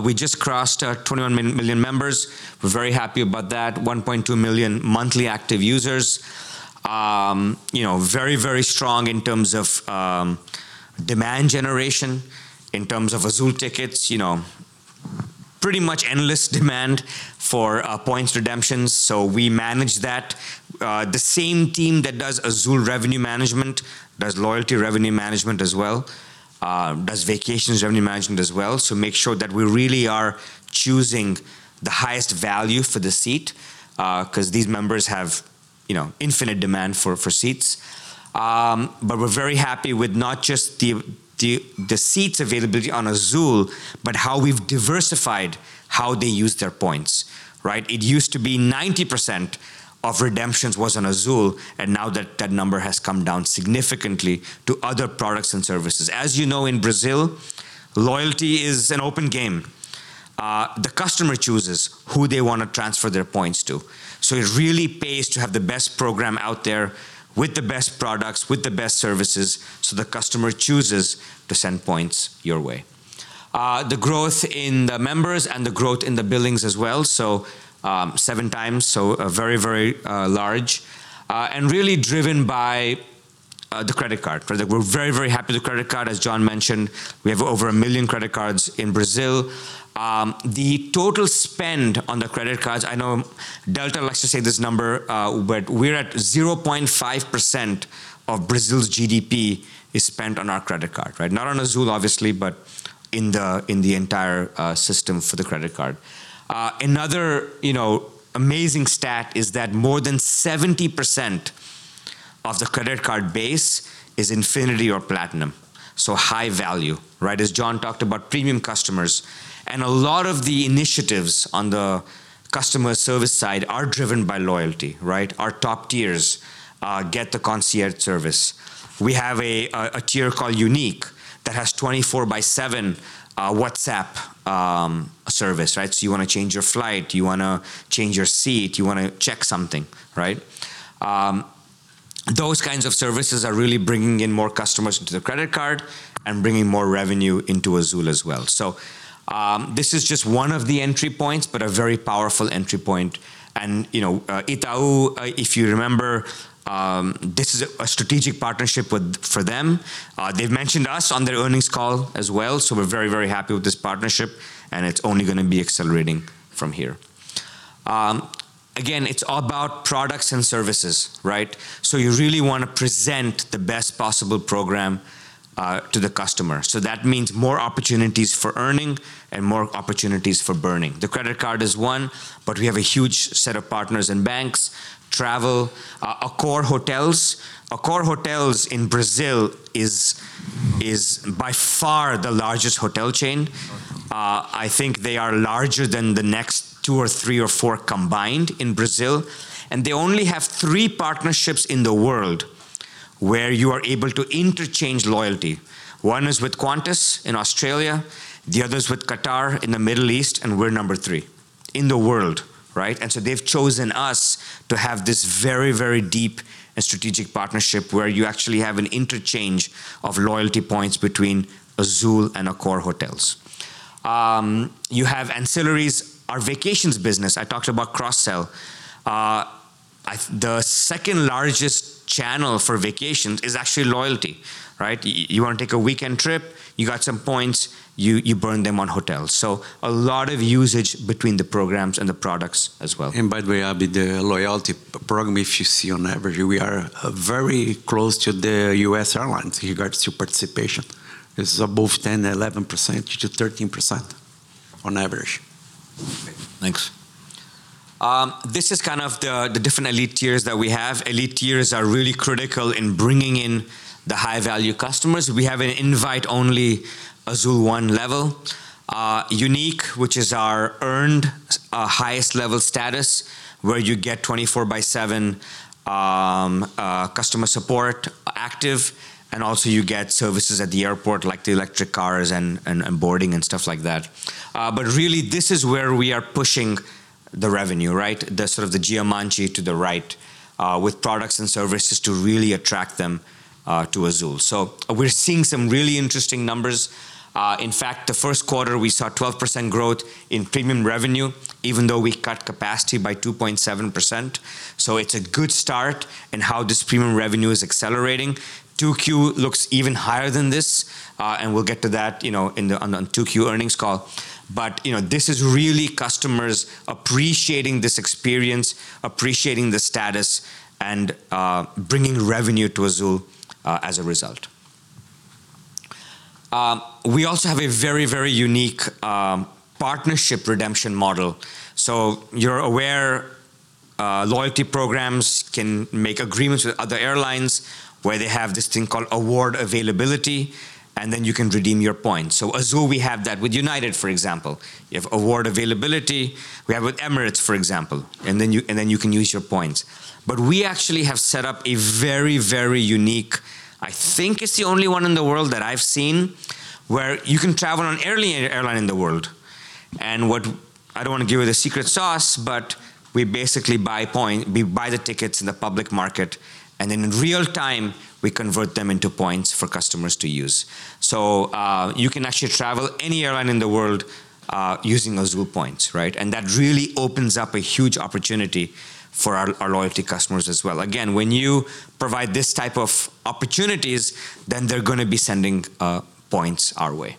we just crossed our 21 million members. We're very happy about that. 1.2 million monthly active users. Very strong in terms of demand generation, in terms of Azul tickets. Pretty much endless demand for points redemptions, we manage that. The same team that does Azul revenue management does Loyalty revenue management as well, does Vacations revenue management as well. Make sure that we really are choosing the highest value for the seat, because these members have infinite demand for seats. We're very happy with not just the seats availability on Azul, but how we've diversified how they use their points. Right? It used to be 90% of redemptions was on Azul, and now that number has come down significantly to other products and services. As you know, in Brazil, loyalty is an open game. The customer chooses who they want to transfer their points to. It really pays to have the best program out there with the best products, with the best services, so the customer chooses to send points your way. The growth in the members and the growth in the billings as well. Seven times, very large, and really driven by the credit card. We're very happy with the credit card. As John mentioned, we have over a million credit cards in Brazil. The total spend on the credit cards, I know Delta likes to say this number, but we're at 0.5% of Brazil's GDP is spent on our credit card. Not on Azul, obviously, but in the entire system for the credit card. Another amazing stat is that more than 70% of the credit card base is infinity or platinum. High value. John talked about premium customers. A lot of the initiatives on the customer service side are driven by loyalty. Our top tiers get the Azul Concierge service. We have a tier called Unique that has 24/7 WhatsApp service. You want to change your flight, you want to change your seat, you want to check something. Those kinds of services are really bringing in more customers into the credit card and bringing more revenue into Azul as well. This is just one of the entry points, but a very powerful entry point. Itaú, if you remember, this is a strategic partnership for them. They've mentioned us on their earnings call as well. We're very happy with this partnership, and it's only going to be accelerating from here. It's all about products and services. You really want to present the best possible program to the customer. That means more opportunities for earning and more opportunities for burning. The credit card is one, but we have a huge set of partners in banks, travel. Accor Hotels. Accor Hotels in Brazil is by far the largest hotel chain. I think they are larger than the next two or three or four combined in Brazil. They only have three partnerships in the world where you are able to interchange loyalty. One is with Qantas in Australia, the other is with Qatar in the Middle East, and we're number three in the world. They've chosen us to have this very deep and strategic partnership where you actually have an interchange of loyalty points between Azul and Accor hotels. You have ancillaries. Our vacations business, I talked about cross-sell. The second largest channel for vacations is actually loyalty. You want to take a weekend trip, you got some points, you burn them on hotels. A lot of usage between the programs and the products as well. By the way, Abhi, the loyalty program, if you see on average, we are very close to the U.S. airlines in regards to participation. It's above 10%, 11%-13% on average. Thanks. This is kind of the different elite tiers that we have. Elite tiers are really critical in bringing in the high-value customers. We have an invite-only Azul One level. Unique, which is our earned, highest level status, where you get 24/7 customer support active, and also you get services at the airport, like the electric cars and boarding and stuff like that. Really, this is where we are pushing the revenue. The sort of the Jumanji to the right, with products and services to really attract them to Azul. We're seeing some really interesting numbers. In fact, the first quarter, we saw 12% growth in premium revenue, even though we cut capacity by 2.7%. It's a good start in how this premium revenue is accelerating. 2Q looks even higher than this, and we'll get to that on the 2Q earnings call. This is really customers appreciating this experience, appreciating the status, and bringing revenue to Azul, as a result. We also have a very unique partnership redemption model. You're aware, loyalty programs can make agreements with other airlines where they have this thing called award availability, and then you can redeem your points. Azul, we have that with United, for example. You have award availability. We have with Emirates, for example. Then you can use your points. We actually have set up a very unique, I think it's the only one in the world that I've seen, where you can travel on any airline in the world. What I don't want to give away the secret sauce, but we basically buy the tickets in the public market, and then in real time, we convert them into points for customers to use. You can actually travel any airline in the world using Azul points, right? That really opens up a huge opportunity for our loyalty customers as well. Again, when you provide this type of opportunities, then they're going to be sending points our way.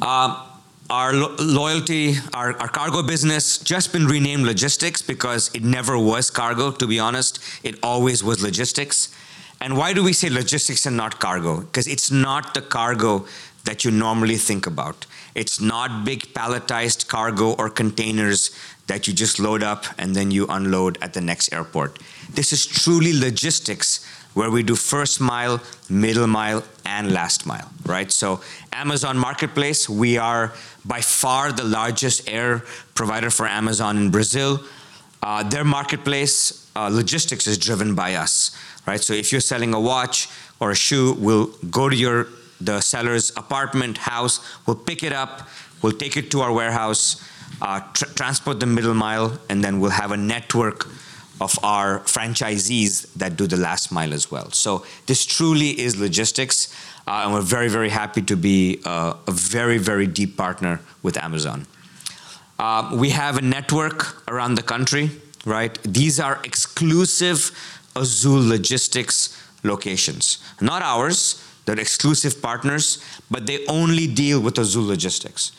Our cargo business just been renamed Logistics because it never was cargo, to be honest. It always was Logistics. Why do we say Logistics and not cargo? Because it's not the cargo that you normally think about. It's not big palletized cargo or containers that you just load up and then you unload at the next airport. This is truly Logistics where we do first mile, middle mile, and last mile, right? Amazon Marketplace, we are by far the largest air provider for Amazon in Brazil. Their marketplace Logistics is driven by us, right? If you're selling a watch or a shoe, we'll go to the seller's apartment house, we'll pick it up, we'll take it to our warehouse, transport the middle mile, and then we'll have a network of our franchisees that do the last mile as well. This truly is Logistics, and we're very happy to be a very deep partner with Amazon. We have a network around the country, right? These are exclusive Azul Logistics locations. Not ours, they're exclusive partners, but they only deal with Azul Logistics.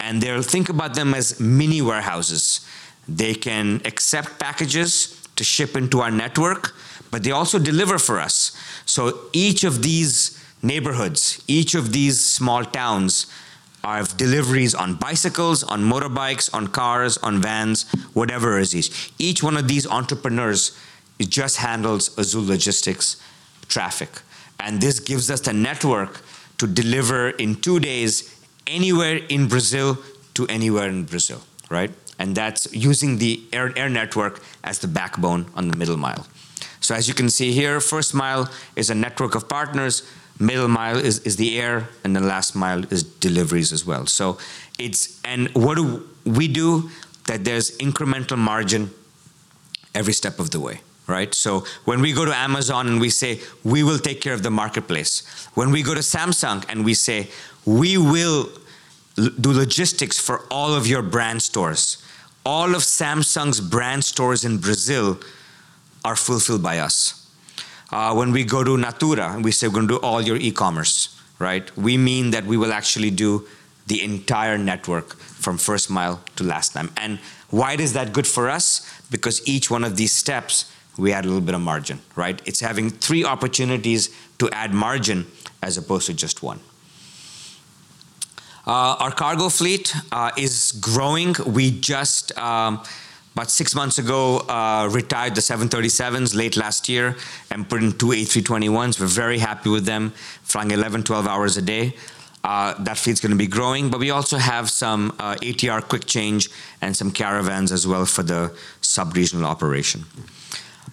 Think about them as mini warehouses. They can accept packages to ship into our network, but they also deliver for us. Each of these neighborhoods, each of these small towns have deliveries on bicycles, on motorbikes, on cars, on vans, whatever it is. Each one of these entrepreneurs just handles Azul Logistics traffic. This gives us the network to deliver in two days anywhere in Brazil to anywhere in Brazil, right. That's using the air network as the backbone on the middle mile. As you can see here, first mile is a network of partners, middle mile is the air, and the last mile is deliveries as well. We do that there's incremental margin every step of the way, right. When we go to Amazon and we say, "We will take care of the marketplace." When we go to Samsung and we say, "We will do logistics for all of your brand stores," all of Samsung's brand stores in Brazil are fulfilled by us. When we go to Natura and we say, "We're going to do all your e-commerce," right. We mean that we will actually do the entire network from first mile to last mile. Why is that good for us? Because each one of these steps, we add a little bit of margin, right. It's having three opportunities to add margin as opposed to just one. Our cargo fleet is growing. We just, about six months ago, retired the 737s late last year and put in two A321s. We're very happy with them, flying 11, 12 hours a day. That fleet's going to be growing. We also have some ATR quick change and some Caravans as well for the sub-regional operation.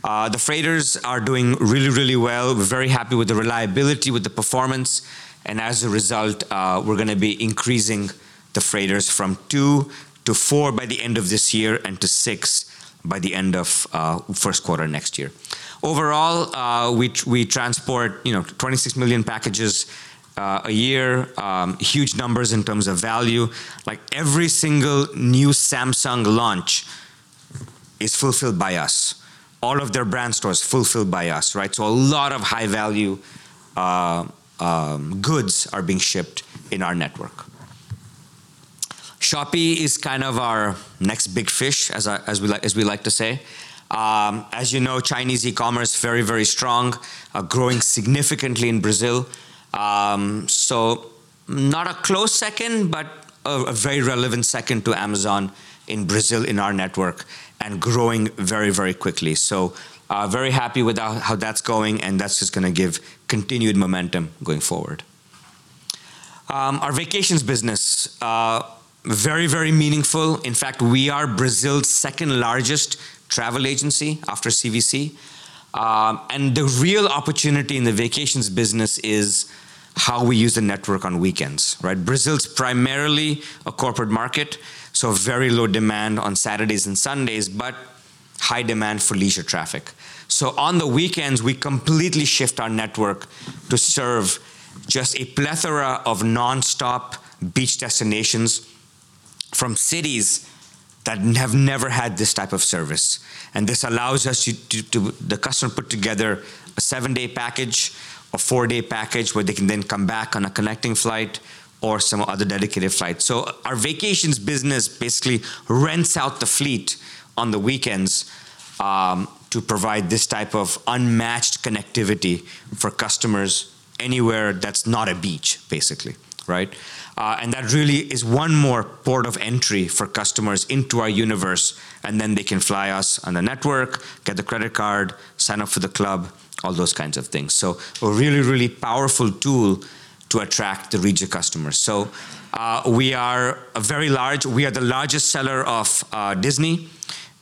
The freighters are doing really well. We're very happy with the reliability, with the performance, and as a result, we're going to be increasing the freighters from two to four by the end of this year and to six by the end of first quarter next year. Overall, we transport 26 million packages a year. Huge numbers in terms of value. Every single new Samsung launch is fulfilled by us. All of their brand stores, fulfilled by us, right. A lot of high-value goods are being shipped in our network. Shopee is kind of our next big fish, as we like to say. As you know, Chinese e-commerce, very strong. Growing significantly in Brazil. Not a close second, but a very relevant second to Amazon in Brazil in our network and growing very quickly. Very happy with how that's going, and that's just going to give continued momentum going forward. Our vacations business, very meaningful. In fact, we are Brazil's second-largest travel agency after CVC. The real opportunity in the vacations business is how we use the network on weekends, right. Brazil's primarily a corporate market, so very low demand on Saturdays and Sundays, but high demand for leisure traffic. On the weekends, we completely shift our network to serve just a plethora of nonstop beach destinations from cities that have never had this type of service. This allows the customer to put together a seven-day package, a four-day package where they can then come back on a connecting flight or some other dedicated flight. Our vacations business basically rents out the fleet on the weekends to provide this type of unmatched connectivity for customers anywhere that's not a beach, basically, right. That really is one more port of entry for customers into our universe, and then they can fly us on the network, get the credit card, sign up for the club, all those kinds of things. A really powerful tool to attract the leisure customers. We are the largest seller of Disney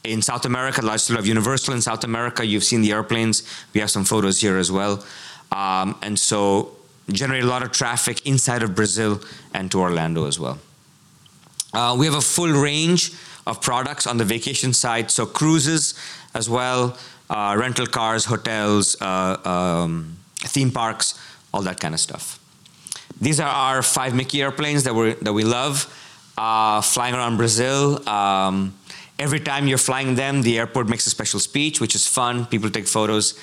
in South America, the largest hub, Universal in South America, you've seen the airplanes. We have some photos here as well. We generate a lot of traffic inside of Brazil and to Orlando as well. We have a full range of products on the vacation side, cruises as well, rental cars, hotels, theme parks, all that kind of stuff. These are our five Mickey airplanes that we love, flying around Brazil. Every time you're flying them, the airport makes a special speech, which is fun. People take photos.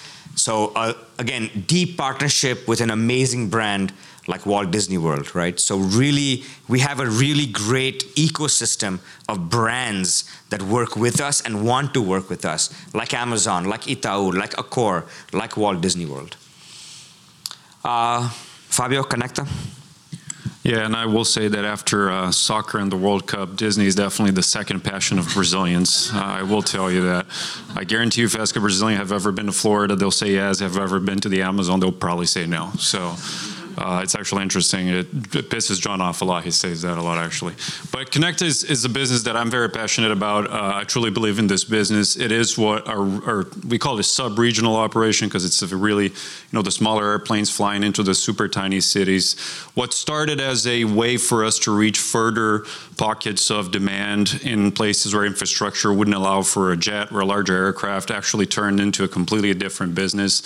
Again, deep partnership with an amazing brand like Walt Disney World, right? Really, we have a really great ecosystem of brands that work with us and want to work with us, like Amazon, like Itaú, like Accor, like Walt Disney World. Fabio, Conecta. I will say that after soccer and the World Cup, Disney is definitely the second passion of Brazilians. I will tell you that. I guarantee you if ask a Brazilian, have you ever been to Florida? They'll say yes. Have you ever been to the Amazon? They'll probably say no. It's actually interesting. It pisses John off a lot. He says that a lot, actually. Conecta is a business that I'm very passionate about. I truly believe in this business. It is we call this sub-regional operation because it's the smaller airplanes flying into the super tiny cities. What started as a way for us to reach further pockets of demand in places where infrastructure wouldn't allow for a jet or a larger aircraft, actually turned into a completely different business.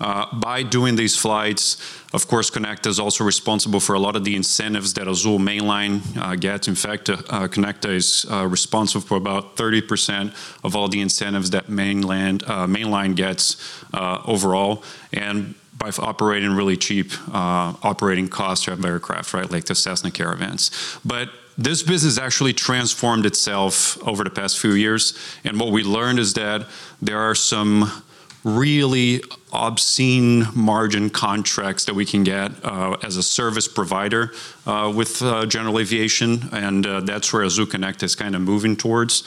By doing these flights, of course, Conecta is also responsible for a lot of the incentives that Azul mainline gets. In fact, Conecta is responsible for about 30% of all the incentives that mainline gets overall, and by operating really cheap operating costs to have aircraft, right, like the Cessna Caravans. This business actually transformed itself over the past few years, and what we learned is that there are some really obscene margin contracts that we can get as a service provider with general aviation, and that's where Azul Conecta is kind of moving towards.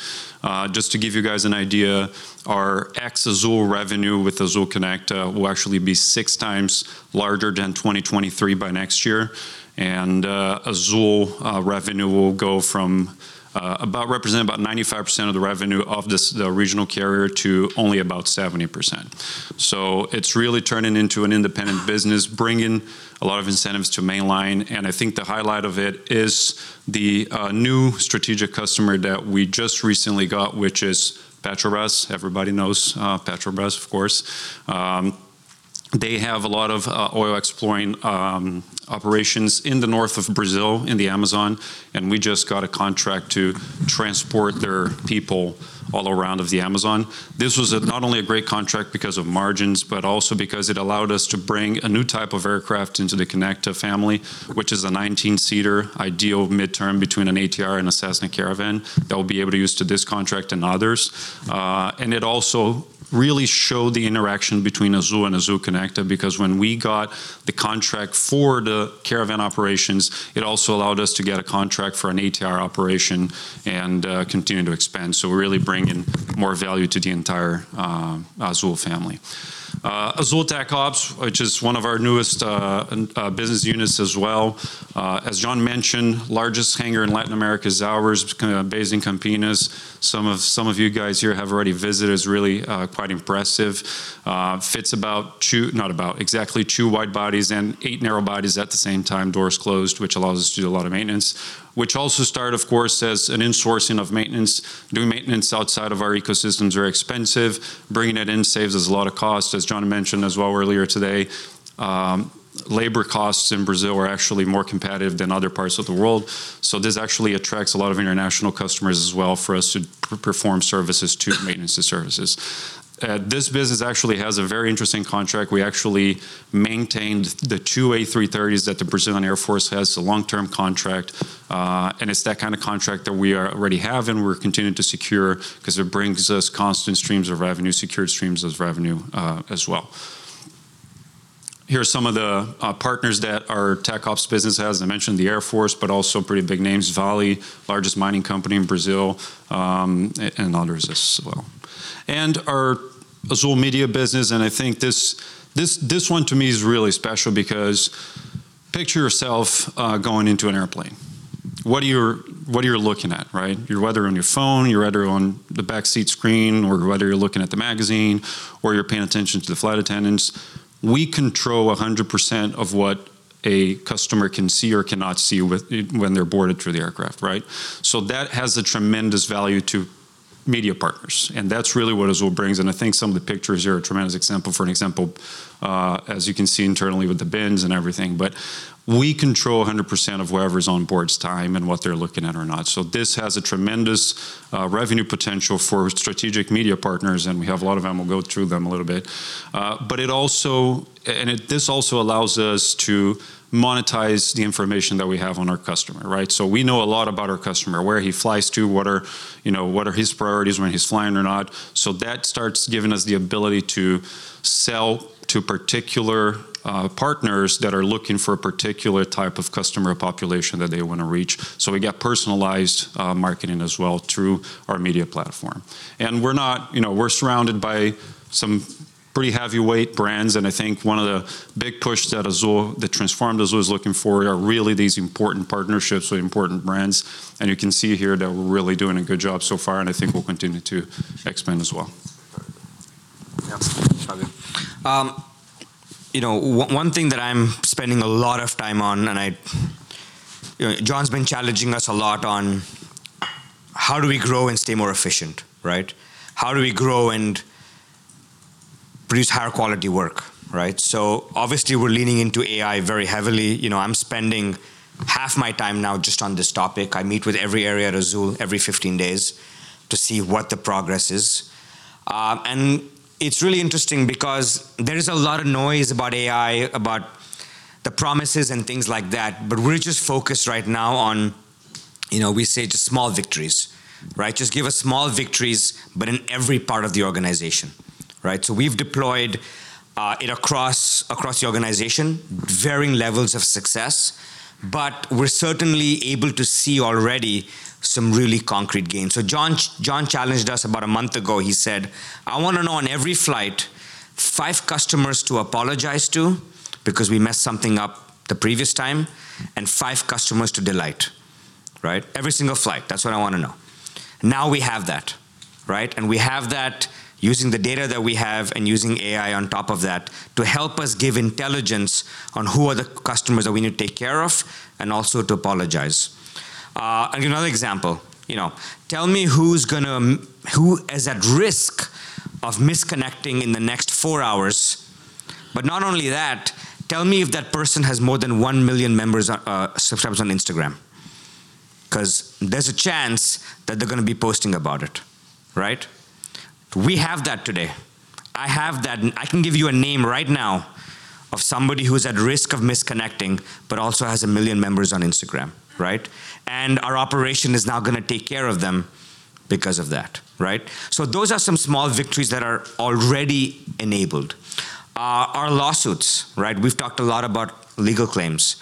Just to give you guys an idea, our ex-Azul revenue with Azul Conecta will actually be six times larger than 2023 by next year. Azul revenue will go from about representing about 95% of the revenue of the regional carrier to only about 70%. It's really turning into an independent business, bringing a lot of incentives to mainline. I think the highlight of it is the new strategic customer that we just recently got, which is Petrobras. Everybody knows Petrobras, of course. They have a lot of oil exploring operations in the north of Brazil, in the Amazon, and we just got a contract to transport their people all around of the Amazon. This was not only a great contract because of margins, but also because it allowed us to bring a new type of aircraft into the Conecta family, which is a 19-seater ideal midterm between an ATR and a Cessna Caravan that we'll be able to use to this contract and others. It also really showed the interaction between Azul and Azul Conecta, because when we got the contract for the Caravan operations, it also allowed us to get a contract for an ATR operation and continue to expand. We're really bringing more value to the entire Azul family. Azul TecOps, which is one of our newest business units as well. As John mentioned, largest hangar in Latin America is ours. It's kind of based in Campinas. Some of you guys here have already visited. It's really quite impressive. Fits exactly two wide bodies and eight narrow bodies at the same time, doors closed, which allows us to do a lot of maintenance. Which also started, of course, as an insourcing of maintenance. Doing maintenance outside of our ecosystems are expensive. Bringing it in saves us a lot of cost, as John mentioned as well earlier today. Labor costs in Brazil are actually more competitive than other parts of the world. This actually attracts a lot of international customers as well for us to perform services too, maintenance services. This business actually has a very interesting contract. We actually maintained the two A330s that the Brazilian Air Force has. It's a long-term contract, and it's that kind of contract that we already have, and we're continuing to secure because it brings us constant streams of revenue, secured streams of revenue, as well. Here are some of the partners that our TecOps business has. I mentioned the Air Force, but also pretty big names. Vale, largest mining company in Brazil, and others as well. Our Azul Media business, and I think this one to me is really special because picture yourself going into an airplane. What are you looking at, right? You're whether on your phone, you're whether on the back seat screen, or whether you're looking at the magazine, or you're paying attention to the flight attendants. We control 100% of what a customer can see or cannot see when they're boarded through the aircraft, right? That has a tremendous value to media partners, and that's really what Azul brings, and I think some of the pictures here are a tremendous example for an example, as you can see internally with the bins and everything. We control 100% of whoever's on board's time and what they're looking at or not. This has a tremendous revenue potential for strategic media partners, and we have a lot of them. We'll go through them a little bit. This also allows us to monetize the information that we have on our customer, right? We know a lot about our customer, where he flies to, what are his priorities when he's flying or not. That starts giving us the ability to sell to particular partners that are looking for a particular type of customer population that they want to reach. We get personalized marketing as well through our media platform. We're surrounded by some Pretty heavyweight brands. I think one of the big pushes that transformed Azul is looking for are really these important partnerships with important brands. You can see here that we're really doing a good job so far, and I think we'll continue to expand as well. Yeah, Fabio. One thing that I'm spending a lot of time on, John's been challenging us a lot on, how do we grow and stay more efficient? How do we grow and produce higher quality work? Obviously we're leaning into AI very heavily. I'm spending half my time now just on this topic. I meet with every area at Azul every 15 days to see what the progress is. It's really interesting because there is a lot of noise about AI, about the promises and things like that, but we're just focused right now on, we say, to small victories. Just give us small victories, but in every part of the organization. We've deployed it across the organization, varying levels of success. We're certainly able to see already some really concrete gains. John challenged us about a month ago. He said, "I want to know in every flight, five customers to apologize to because we messed something up the previous time, and five customers to delight. Every single flight. That's what I want to know." Now we have that. We have that using the data that we have and using AI on top of that to help us give intelligence on who are the customers that we need to take care of, and also to apologize. I'll give you another example. Tell me who is at risk of misconnecting in the next four hours. Not only that, tell me if that person has more than one million subscribers on Instagram, because there's a chance that they're going to be posting about it. We have that today. I have that. I can give you a name right now of somebody who's at risk of misconnecting but also has a million members on Instagram. Our operation is now going to take care of them because of that. Those are some small victories that are already enabled. Our lawsuits. We've talked a lot about legal claims.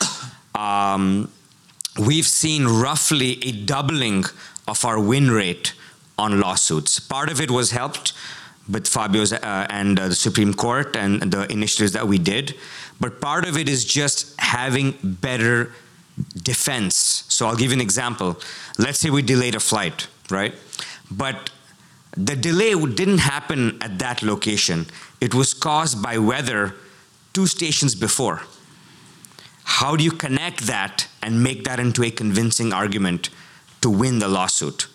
We've seen roughly a doubling of our win rate on lawsuits. Part of it was helped with Fabio and the Supreme Federal Court and the initiatives that we did, but part of it is just having better defense. I'll give you an example. Let's say we delayed a flight. The delay didn't happen at that location. It was caused by weather two stations before. How do you connect that and make that into a convincing argument to win the lawsuit?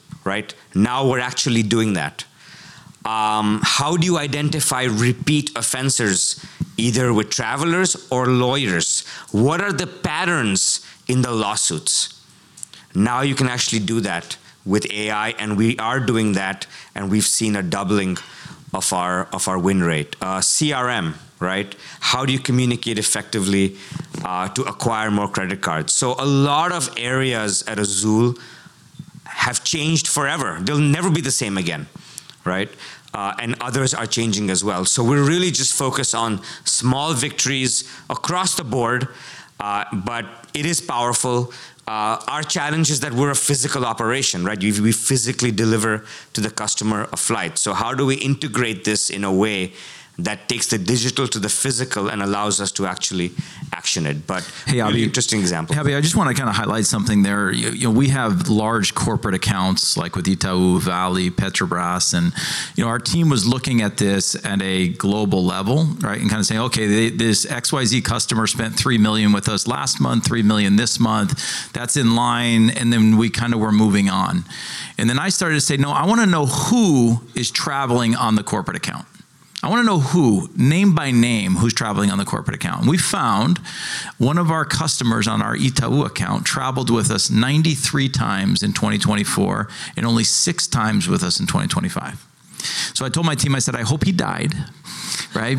Now we're actually doing that. How do you identify repeat offenders, either with travelers or lawyers? What are the patterns in the lawsuits? Now you can actually do that with AI, and we are doing that, and we've seen a doubling of our win rate. CRM. How do you communicate effectively to acquire more credit cards? A lot of areas at Azul have changed forever. They'll never be the same again. Others are changing as well. We're really just focused on small victories across the board, but it is powerful. Our challenge is that we're a physical operation. We physically deliver to the customer a flight. How do we integrate this in a way that takes the digital to the physical and allows us to actually action it? Really interesting example. Fabio, I just want to highlight something there. We have large corporate accounts like with Itaú, Vale, Petrobras. Our team was looking at this at a global level and saying, "Okay, this XYZ customer spent 3 million with us last month, 3 million this month. That's in line," then we were moving on. Then I started to say, "No, I want to know who is traveling on the corporate account. I want to know who, name by name, who's traveling on the corporate account." We found one of our customers on our Itaú account traveled with us 93 times in 2024 and only six times with us in 2025. I told my team, I said, "I hope he died,"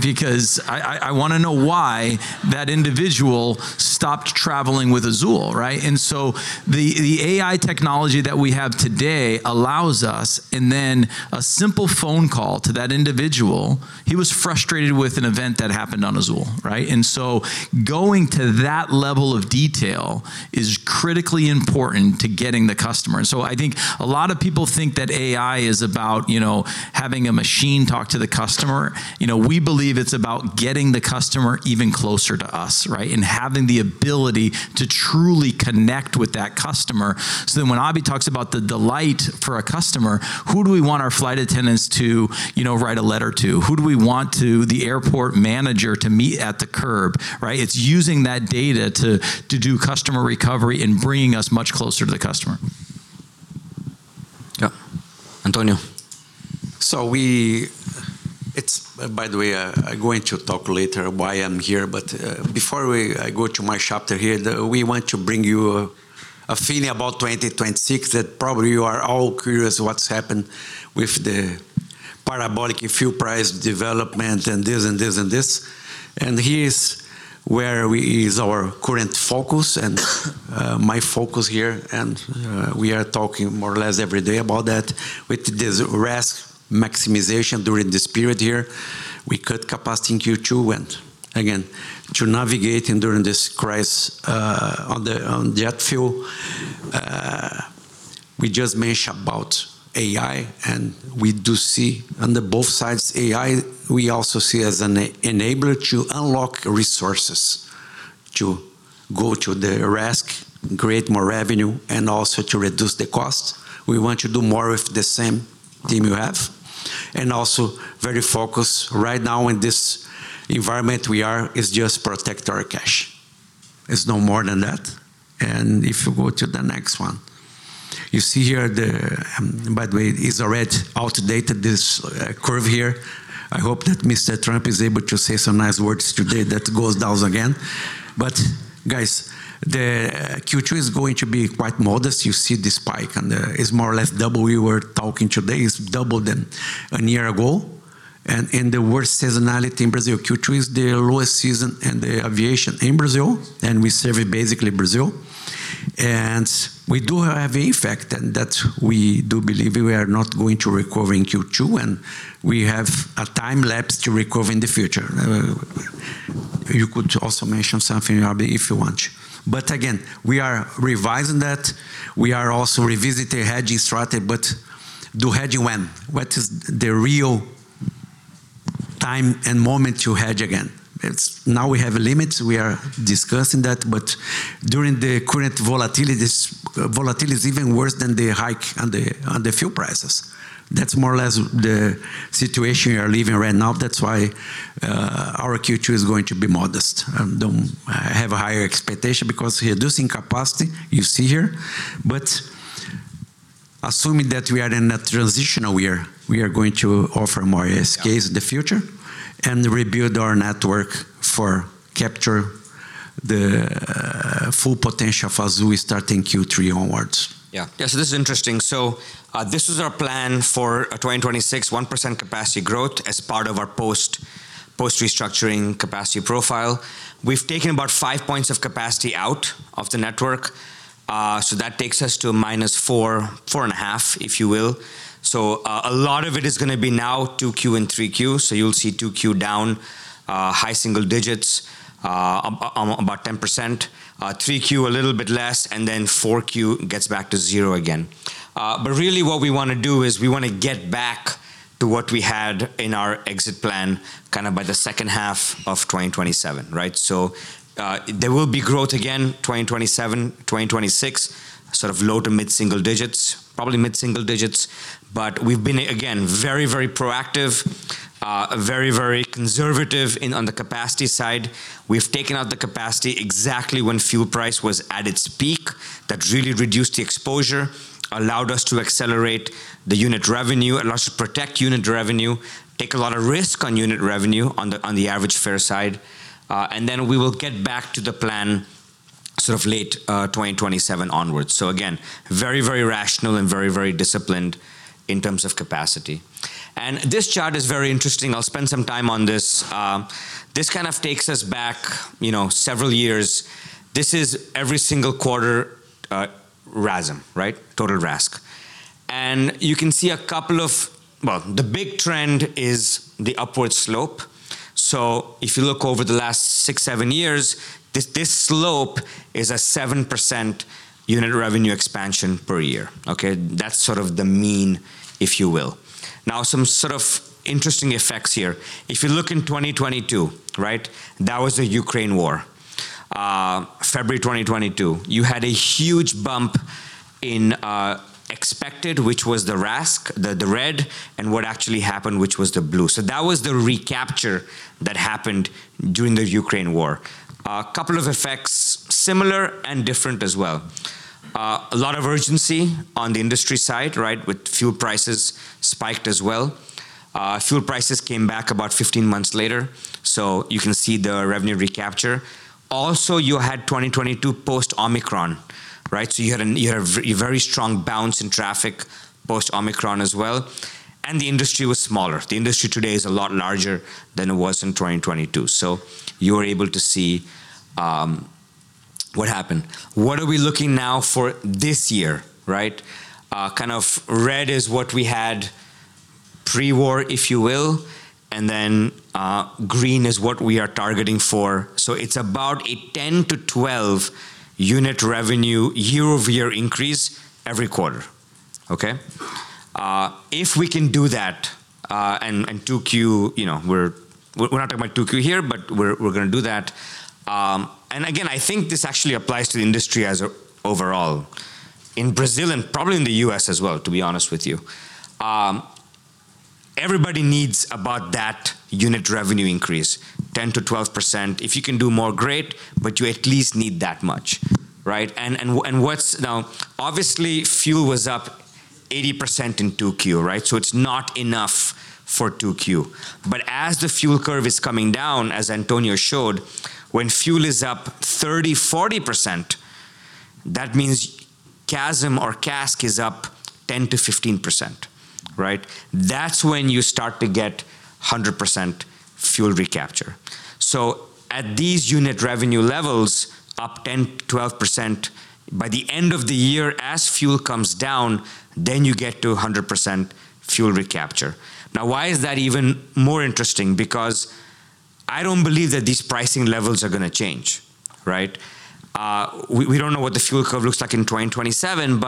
because I want to know why that individual stopped traveling with Azul. The AI technology that we have today allows us, then a simple phone call to that individual. He was frustrated with an event that happened on Azul. Going to that level of detail is critically important to getting the customer. I think a lot of people think that AI is about having a machine talk to the customer. We believe it's about getting the customer even closer to us, having the ability to truly connect with that customer when Abhi talks about the delight for a customer, who do we want our flight attendants to write a letter to? Who do we want the airport manager to meet at the curb? It's using that data to do customer recovery and bringing us much closer to the customer. Yeah. Antonio. By the way, I'm going to talk later why I'm here, but before I go to my chapter here, we want to bring you a feeling about 2026 that probably you are all curious what's happened with the parabolic fuel price development and this and this and this. Here is our current focus and my focus here, and we are talking more or less every day about that. With this RASK maximization during this period here, we cut capacity in Q2. Again, to navigate during this crisis on the jet fuel. We just mentioned about AI, and we do see on both sides AI, we also see as an enabler to unlock resources to go to the RASK, create more revenue, and also to reduce the cost. We want to do more with the same team you have, also very focused right now in this environment we are is just protect our cash. It's no more than that. If you go to the next one. You see here. By the way, it's already outdated, this curve here. I hope that Mr. Trump is able to say some nice words today that goes down again. Guys, the Q2 is going to be quite modest. You see this spike and is more or less double. We were talking today is double than a year ago. The worst seasonality in Brazil, Q2, is the lowest season in the aviation in Brazil, and we serve basically Brazil. We do have effect and that we do believe we are not going to recover in Q2, and we have a time lapse to recover in the future. You could also mention something, Abhi, if you want. Again, we are revising that. We are also revisiting hedging strategy, but do hedge when? What is the real time and moment to hedge again? Now we have limits. We are discussing that, during the current volatility, this volatility is even worse than the hike on the fuel prices. That's more or less the situation we are living right now. That's why our Q2 is going to be modest. I don't have a higher expectation because reducing capacity, you see here. Assuming that we are in a transitional year, we are going to offer more ASKs in the future and rebuild our network for capture the full potential for Azul starting Q3 onwards. Yeah. This is interesting. This was our plan for 2026, 1% capacity growth as part of our post-restructuring capacity profile. We've taken about five points of capacity out of the network. That takes us to a minus four and a half, if you will. A lot of it is going to be now 2Q and 3Q. You'll see 2Q down, high single digits, about 10%. 3Q a little bit less, then 4Q gets back to zero again. Really what we want to do is we want to get back to what we had in our exit plan by the second half of 2027. There will be growth again, 2027, 2026, sort of low to mid-single digits, probably mid-single digits. We've been, again, very, very proactive, very conservative on the capacity side. We've taken out the capacity exactly when fuel price was at its peak. That really reduced the exposure, allowed us to accelerate the unit revenue, allowed us to protect unit revenue, take a lot of risk on unit revenue on the average fare side. We will get back to the plan late 2027 onwards. Again, very rational and very disciplined in terms of capacity. This chart is very interesting. I'll spend some time on this. This takes us back several years. This is every single quarter RASM. Total RASK. You can see a couple of. The big trend is the upward slope. If you look over the last six, seven years, this slope is a 7% unit revenue expansion per year. Okay. That's sort of the mean, if you will. Now, some sort of interesting effects here. If you look in 2022, that was the Ukraine war. February 2022, you had a huge bump in expected, which was the RASK, the red, and what actually happened, which was the blue. That was the recapture that happened during the Ukraine war. A couple of effects, similar and different as well. A lot of urgency on the industry side, with fuel prices spiked as well. Fuel prices came back about 15 months later. You can see the revenue recapture. Also, you had 2022 post-Omicron. You had a very strong bounce in traffic post-Omicron as well, and the industry was smaller. The industry today is a lot larger than it was in 2022. You are able to see what happened. What are we looking now for this year? Red is what we had pre-war, if you will, and then green is what we are targeting for. It's about a 10 to 12 unit revenue year-over-year increase every quarter. Okay. If we can do that, and 2Q, we're not talking about 2Q here, but we're going to do that. Again, I think this actually applies to the industry as overall. In Brazil, and probably in the U.S. as well, to be honest with you. Everybody needs about that unit revenue increase, 10%-12%. If you can do more, great, but you at least need that much. Now, obviously, fuel was up 80% in 2Q. It's not enough for 2Q. As the fuel curve is coming down, as Antonio showed, when fuel is up 30%-40%, that means CASM or CASK is up 10%-15%. That's when you start to get 100% fuel recapture. At these unit revenue levels, up 10%-12%, by the end of the year, as fuel comes down, then you get to 100% fuel recapture. Why is that even more interesting? I don't believe that these pricing levels are going to change. We don't know what the fuel curve looks like in 2027,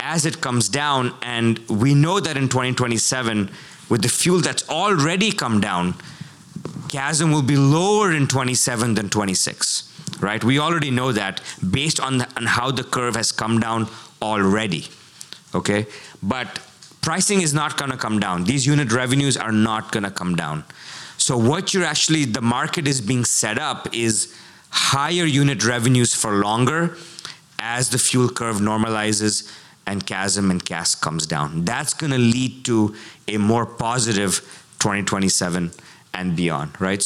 as it comes down, and we know that in 2027 with the fuel that's already come down, CASM will be lower in 2027 than 2026, right? We already know that based on how the curve has come down already. Pricing is not going to come down. These unit revenues are not going to come down. What you're actually, the market is being set up is higher unit revenues for longer as the fuel curve normalizes and CASM and CASK comes down. That's going to lead to a more positive 2027 and beyond, right?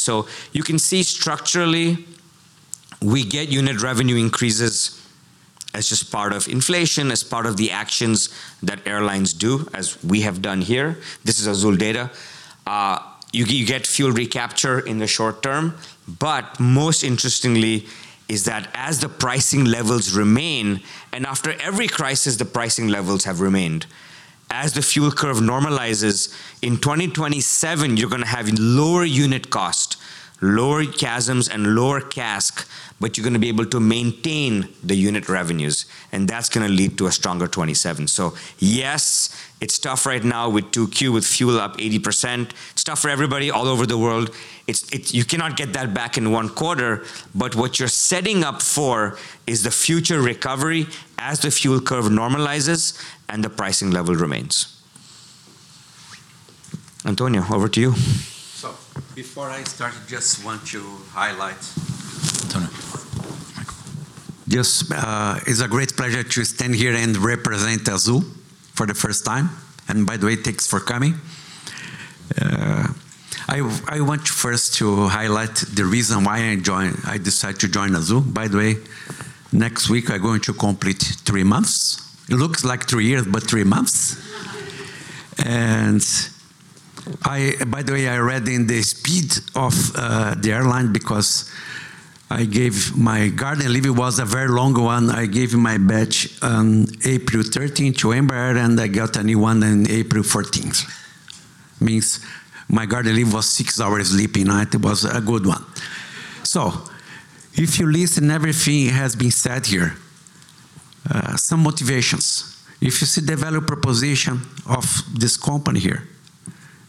You can see structurally, we get unit revenue increases as just part of inflation, as part of the actions that airlines do, as we have done here. This is Azul data. You get fuel recapture in the short term, but most interestingly is that as the pricing levels remain, and after every crisis, the pricing levels have remained. As the fuel curve normalizes, in 2027, you're going to have lower unit cost, lower CASMs and lower CASK, but you're going to be able to maintain the unit revenues, and that's going to lead to a stronger 2027. Yes, it's tough right now with 2Q, with fuel up 80%. It's tough for everybody all over the world. You cannot get that back in one quarter, but what you're setting up for is the future recovery as the fuel curve normalizes and the pricing level remains. Antonio, over to you. Before I start, I just want to highlight. Antonio, microphone. Just, it's a great pleasure to stand here and represent Azul for the first time. By the way, thanks for coming. I want first to highlight the reason why I decided to join Azul. By the way, next week, I'm going to complete three months. It looks like three years, but three months. By the way, I read in the speed of the airline, because I gave my garden leave, it was a very long one. I gave my badge on April 13th to Embraer, and I got a new one on April 14th. My garden leave was six hours sleep a night. It was a good one. If you listen, everything has been said here. Some motivations. If you see the value proposition of this company here,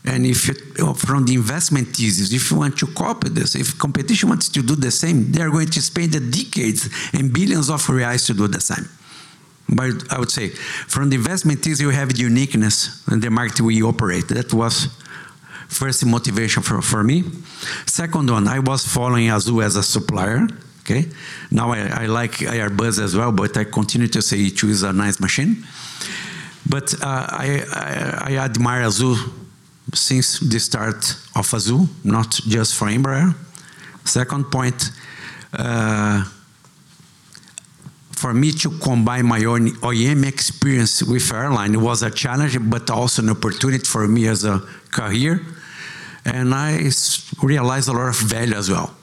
from the investment thesis, if you want to copy this, if competition wants to do the same, they are going to spend the decades and billions of BRL to do the same. I would say from the investment thesis, you have uniqueness in the market we operate. That was first motivation for me. Second one, I was following Azul as a supplier. Now I like Airbus as well, but I continue to say E2 is a nice machine. I admire Azul since the start of Azul, not just for Embraer. Second point, for me to combine my own OEM experience with airline was a challenge, but also an opportunity for me as a career. I realized a lot of value as well.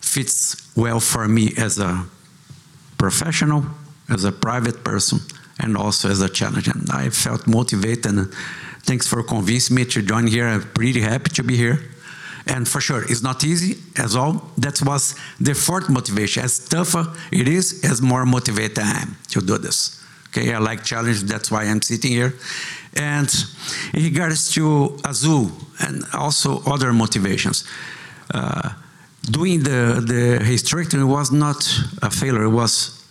Fits well for me as a professional, as a private person, and also as a challenge. I felt motivated, and thanks for convincing me to join here. I'm pretty happy to be here. For sure, it's not easy at all. That was the fourth motivation. As tougher it is, as more motivated I am to do this. I like challenge, that's why I'm sitting here. In regards to Azul and also other motivations, doing the restructuring was not a failure, it was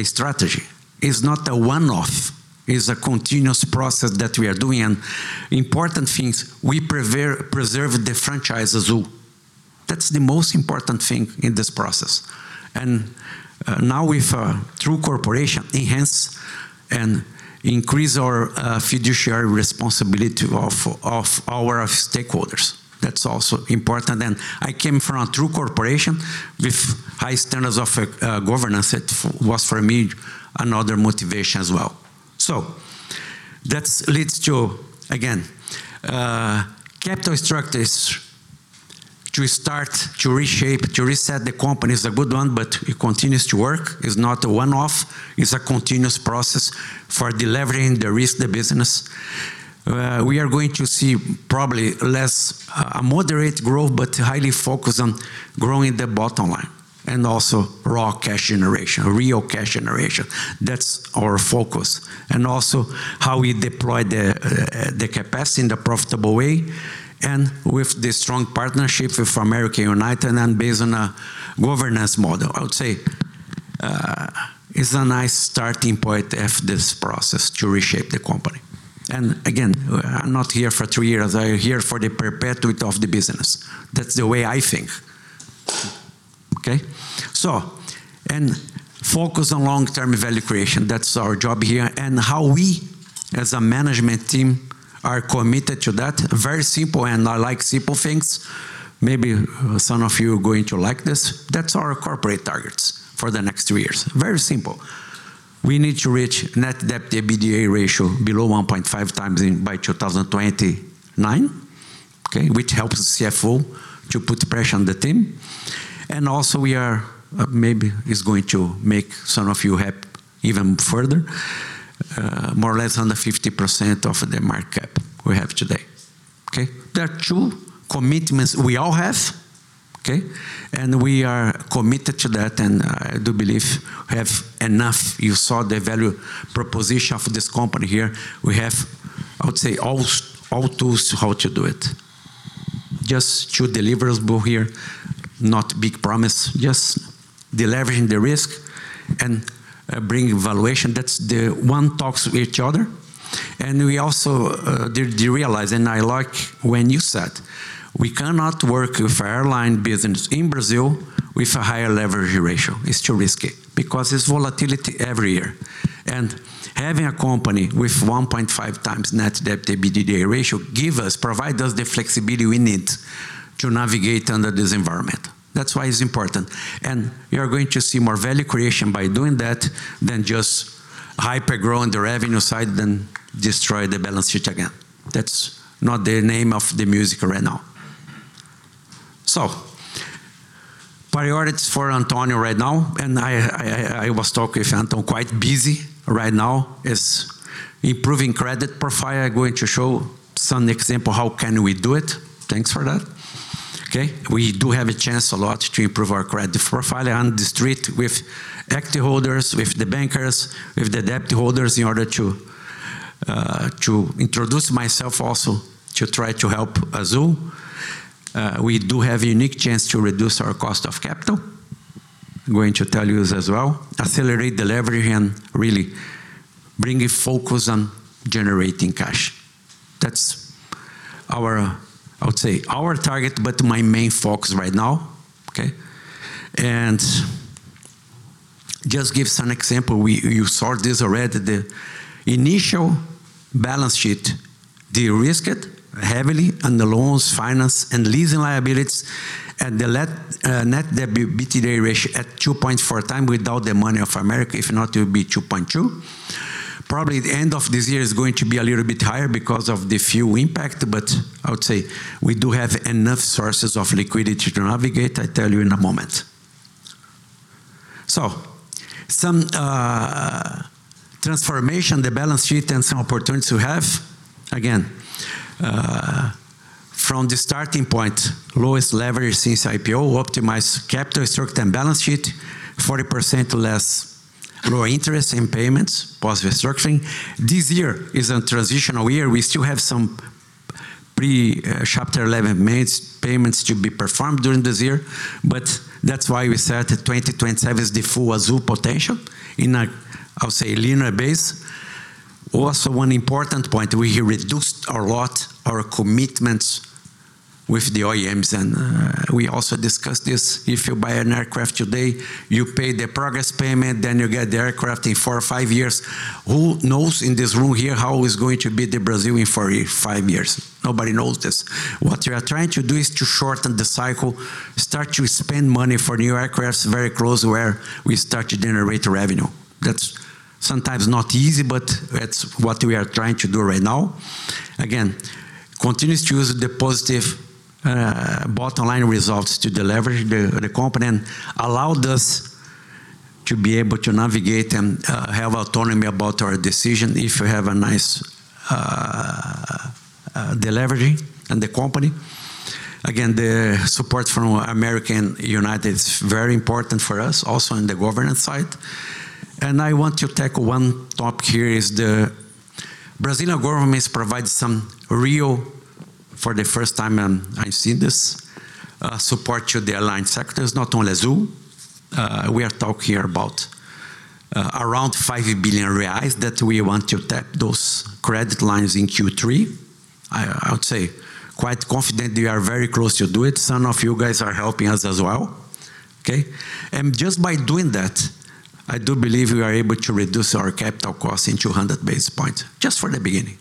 a strategy. It's not a one-off. It's a continuous process that we are doing, and important things, we preserve the franchise, Azul. That's the most important thing in this process. Now with a true corporation, enhance and increase our fiduciary responsibility of our stakeholders. That's also important. I came from a true corporation with high standards of governance. It was for me another motivation as well. That leads to, again, capital structure is to start to reshape, to reset the company, is a good one, but it continues to work. It's not a one-off. It's a continuous process for delevering the risk, the business. We are going to see probably less, a moderate growth, but highly focused on growing the bottom line, and also raw cash generation, real cash generation. That's our focus. Also how we deploy the capacity in the profitable way and with the strong partnership with American, United, and based on a governance model. I would say, it's a nice starting point of this process to reshape the company. Again, I'm not here for three years. I am here for the perpetuity of the business. That's the way I think. Okay? Focus on long-term value creation. That's our job here. How we as a management team are committed to that, very simple. I like simple things. Maybe some of you are going to like this. That's our corporate targets for the next three years. Very simple. We need to reach net debt to EBITDA ratio below 1.5x by 2029. Which helps the CFO to put pressure on the team. Also we are, maybe it's going to make some of you happy even further. More or less 150% of the market cap we have today. Okay? There are two commitments we all have. Okay? We are committed to that, and I do believe we have enough. You saw the value proposition for this company here. We have, I would say all tools how to do it. Just two deliverables built here, not big promise, just deleveraging the risk and bringing valuation. That's the one talks with each other. We also realize, and I like when you said, "We cannot work with airline business in Brazil with a higher leverage ratio." It's too risky because it's volatility every year. Having a company with 1.5x net debt to EBITDA ratio give us, provide us the flexibility we need to navigate under this environment. That's why it's important, and you are going to see more value creation by doing that than just hyper-growing the revenue side, then destroy the balance sheet again. That's not the name of the music right now. Priorities for Antonio right now, and I was talking with Antonio, quite busy right now, is improving credit profile. I'm going to show some example how can we do it. Thanks for that. Okay? We do have a chance a lot to improve our credit profile on the street with active holders, with the bankers, with the debt holders in order to introduce myself also to try to help Azul. We do have a unique chance to reduce our cost of capital. I'm going to tell you this as well. Accelerate delivery and really bring a focus on generating cash. That's, I would say, our target, but my main focus right now. Okay? Just give some example. You saw this already. The initial balance sheet de-risked heavily on the loans, finance, and leasing liabilities at the net debt to EBITDA ratio at 2.4x without the money of America. If not, it would be 2.2. Probably the end of this year is going to be a little bit higher because of the fuel impact, but I would say we do have enough sources of liquidity to navigate. I'll tell you in a moment. Some transformation, the balance sheet and some opportunities we have. Again, from the starting point, lowest leverage since IPO, optimize capital structure and balance sheet, 40% less raw interest in payments, positive structuring. This year is a transitional year. We still have some pre-Chapter 11 made payments to be performed during this year, but that's why we said that 2027 is the full Azul potential in a, I'll say, linear basis. Also, one important point, we reduced a lot our commitments with the OEMs, and we also discussed this. If you buy an aircraft today, you pay the progress payment, then you get the aircraft in four or five years. Who knows in this room here how is going to be the Brazil in four or five years? Nobody knows this. What we are trying to do is to shorten the cycle, start to spend money for new aircraft very close where we start to generate revenue. That's sometimes not easy, but that's what we are trying to do right now. Again, continuous to use the positive bottom-line results to deleverage the company, and allowed us to be able to navigate and have autonomy about our decision if we have a nice deleveraging in the company. Again, the support from American United is very important for us, also on the governance side. I want to take one topic here is the Brazilian government provides some real, for the first time, and I've seen this, support to the airline sectors, not only Azul. We are talking about around 5 billion reais that we want to tap those credit lines in Q3. I would say quite confident we are very close to do it. Some of you guys are helping us as well. Okay? Just by doing that, I do believe we are able to reduce our capital cost in 200 basis points, just for the beginning.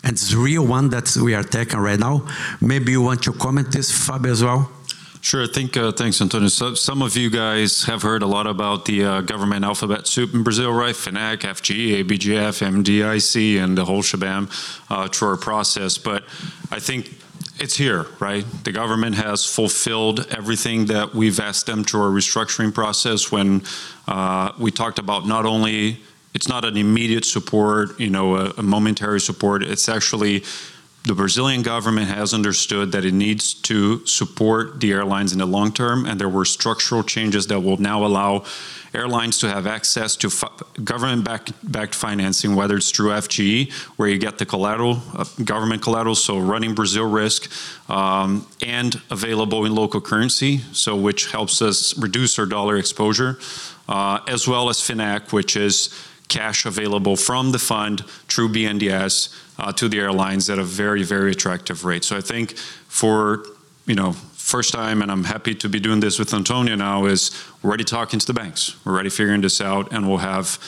Okay? It's a real one that we are taking right now. Maybe you want to comment this, Fabio, as well. Sure. Thanks, Antonio. Some of you guys have heard a lot about the government alphabet soup in Brazil, right? FINEP, FGE, ABGF, MDIC, and the whole shebang through our process. I think it's here, right? The government has fulfilled everything that we've asked them through our restructuring process when we talked about not only, it's not an immediate support, a momentary support. It's actually the Brazilian government has understood that it needs to support the airlines in the long term, and there were structural changes that will now allow airlines to have access to government-backed financing, whether it's through FGE, where you get the collateral, government collateral, so running Brazil risk, and available in local currency, so which helps us reduce our USD exposure. As well as FINEP, which is cash available from the fund through BNDES, to the airlines at a very, very attractive rate. I think for first time, and I'm happy to be doing this with Antonio now, is we're already talking to the banks. We're already figuring this out, and we'll have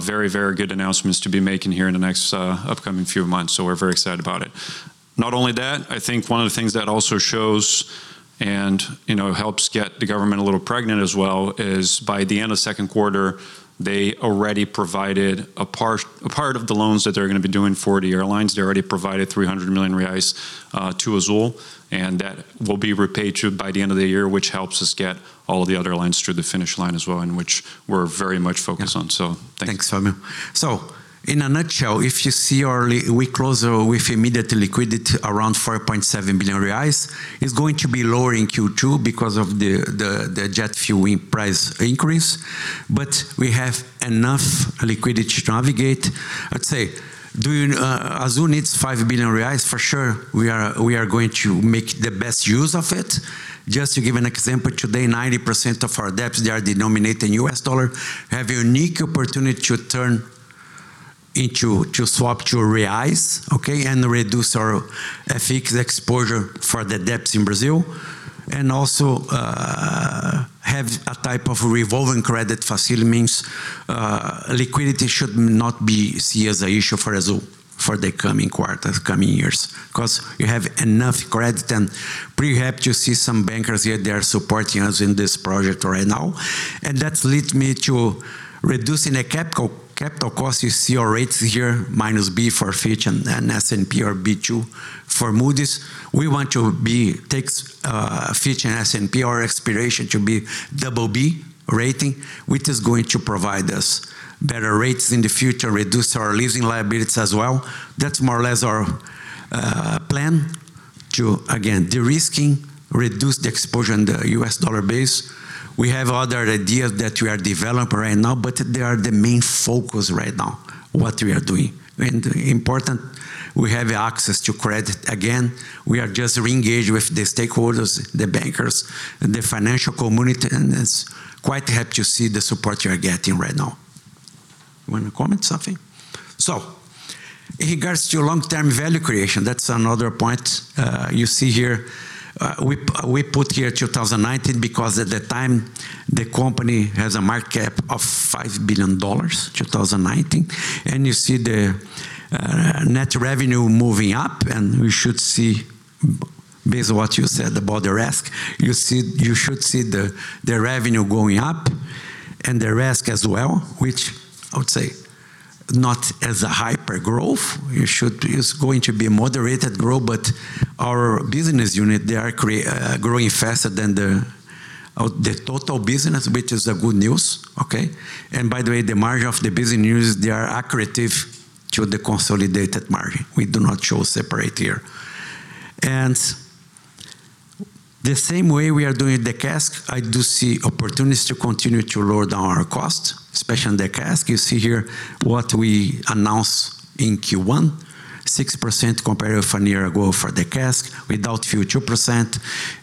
very, very good announcements to be making here in the next upcoming few months. We're very excited about it. Not only that, I think one of the things that also shows And helps get the government a little pregnant as well is by the end of second quarter, they already provided a part of the loans that they're going to be doing for the airlines. They already provided 300 million reais to Azul, and that will be repaid by the end of the year, which helps us get all the other airlines through the finish line as well, and which we're very much focused on. Thanks. Thanks, Fabio. In a nutshell, we close with immediate liquidity around 4.7 billion reais. It's going to be lower in Q2 because of the jet fuel price increase, but we have enough liquidity to navigate. Let's say Azul needs 5 billion reais, for sure, we are going to make the best use of it. Just to give an example, today, 90% of our debts, they are denominated in U.S. dollar, have unique opportunity to swap to BRL. Okay? Reduce our FX exposure for the debts in Brazil. Also have a type of revolving credit facility, means liquidity should not be seen as an issue for Azul for the coming quarter, coming years. You have enough credit and perhaps you see some bankers here, they are supporting us in this project right now. That leads me to reducing the capital cost. You see our rates here, B- for Fitch and S&P or B2 for Moody's. We want to take Fitch and S&P, our aspiration to be double B rating, which is going to provide us better rates in the future, reduce our leasing liabilities as well. That's more or less our plan to, again, de-risking, reduce the exposure in the U.S. dollar base. We have other ideas that we are developing right now, but they are the main focus right now, what we are doing. Important, we have access to credit. Again, we are just re-engage with the stakeholders, the bankers, and the financial community, and it's quite helped to see the support we are getting right now. Do you want to comment something? In regards to long-term value creation, that's another point. You see here, we put here 2019 because at the time the company has a market cap of BRL 5 billion, 2019. You see the net revenue moving up and we should see based on what you said about the RASK, you should see the revenue going up and the RASK as well, which I would say not as a hyper-growth. It's going to be a moderated growth, but our business unit, they are growing faster than the total business, which is good news. Okay? By the way, the margin of the business, they are accretive to the consolidated margin. We do not show separate here. The same way we are doing the CASK, I do see opportunities to continue to lower down our costs, especially on the CASK. You see here what we announce in Q1, 6% compared with one year ago for the CASK without fuel, 2%,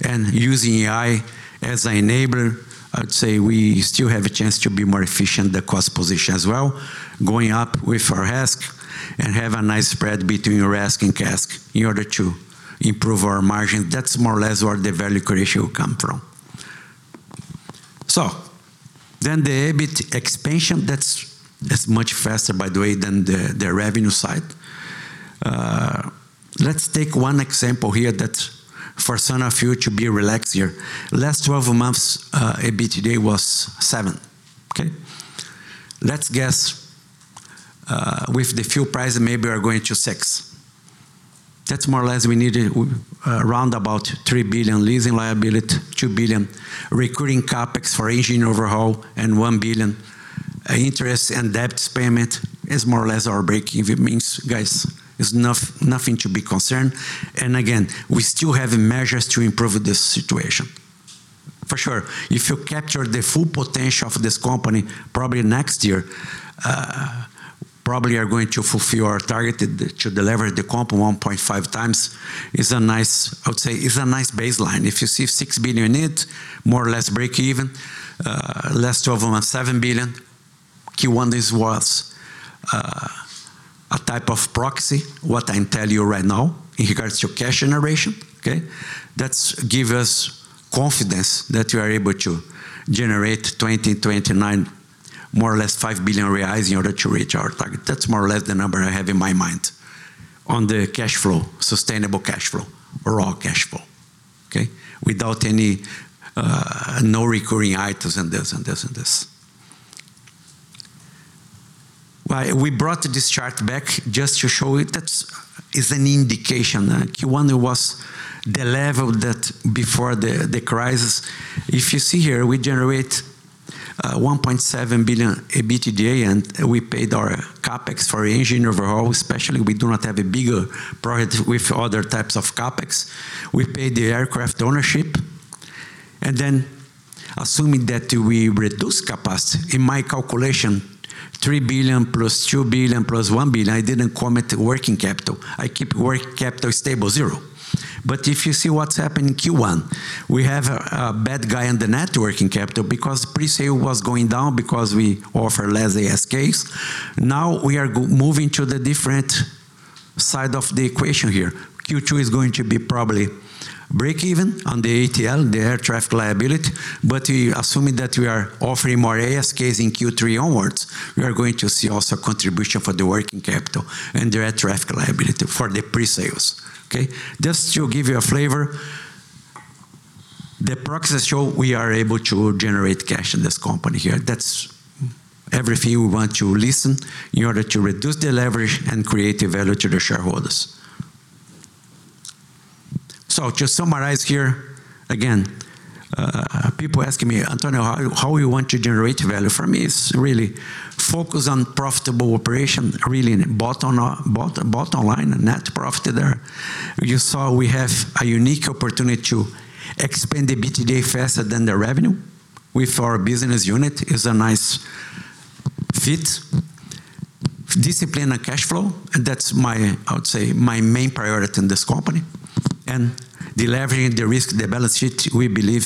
and using AI as an enabler, I'd say we still have a chance to be more efficient, the cost position as well, going up with our RASK and have a nice spread between RASK and CASK in order to improve our margin. That's more or less where the value creation will come from. The EBITDA expansion, that's much faster, by the way, than the revenue side. Let's take one example here that for some of you to be relaxed here. Last 12 months, EBITDA was seven. Okay? Let's guess with the fuel price, maybe we are going to six. That's more or less we need around about 3 billion leasing liability, 2 billion recurring CapEx for engine overhaul, and 1 billion interest and debts payment is more or less our break-even. Means, guys, it's nothing to be concerned. Again, we still have measures to improve the situation. For sure, if you capture the full potential of this company, probably next year, probably are going to fulfill our target to deliver the comp 1.5x. I would say it's a nice baseline. If you see 6 billion in it, more or less break-even. Last 12 months, 7 billion. Q1 is worth a type of proxy. What I tell you right now in regards to cash generation, okay? That give us confidence that we are able to generate 2029 more or less 5 billion reais in order to reach our target. That's more or less the number I have in my mind on the cash flow, sustainable cash flow or raw cash flow, okay? Without any, no recurring items and this and this and this. We brought this chart back just to show it, that is an indication. Q1 was the level that before the crisis. If you see here, we generate 1.7 billion EBITDA, we paid our CapEx for engine overhaul especially. We do not have a bigger project with other types of CapEx. We paid the aircraft ownership. Assuming that we reduce capacity, in my calculation, 3 billion plus 2 billion plus 1 billion. I didn't comment working capital. I keep working capital stable, zero. If you see what's happened in Q1, we have a bad guy in the net working capital because pre-sale was going down because we offer less ASKs. Now we are moving to the different side of the equation here. Q2 is going to be probably break-even on the ATL, the Air Traffic Liability. Assuming that we are offering more ASKs in Q3 onwards, we are going to see also contribution for the working capital and the Air Traffic Liability for the pre-sales, okay? Just to give you a flavor. The proxies show we are able to generate cash in this company here. That's everything we want to listen in order to reduce the leverage and create the value to the shareholders. Just summarize here, again, people asking me, "Antonio, how you want to generate value?" For me, it's really focus on profitable operation, really bottom line, net profit there. You saw we have a unique opportunity to expand the EBITDA faster than the revenue with our business unit. It's a nice fit. Discipline our cash flow, that's, I would say, my main priority in this company. Deleveraging the risk, the balance sheet, we believe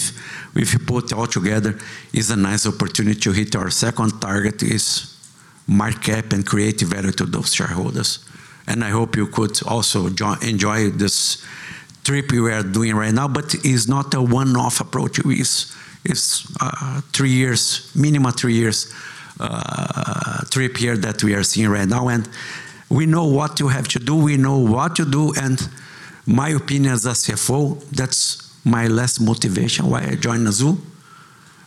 if we put all together, is a nice opportunity to hit our second target is market cap and create value to those shareholders. I hope you could also enjoy this trip we are doing right now, it's not a one-off approach. It's minimal three years trip here that we are seeing right now, and we know what you have to do. We know what to do, and my opinion as CFO, that's my last motivation why I joined Azul.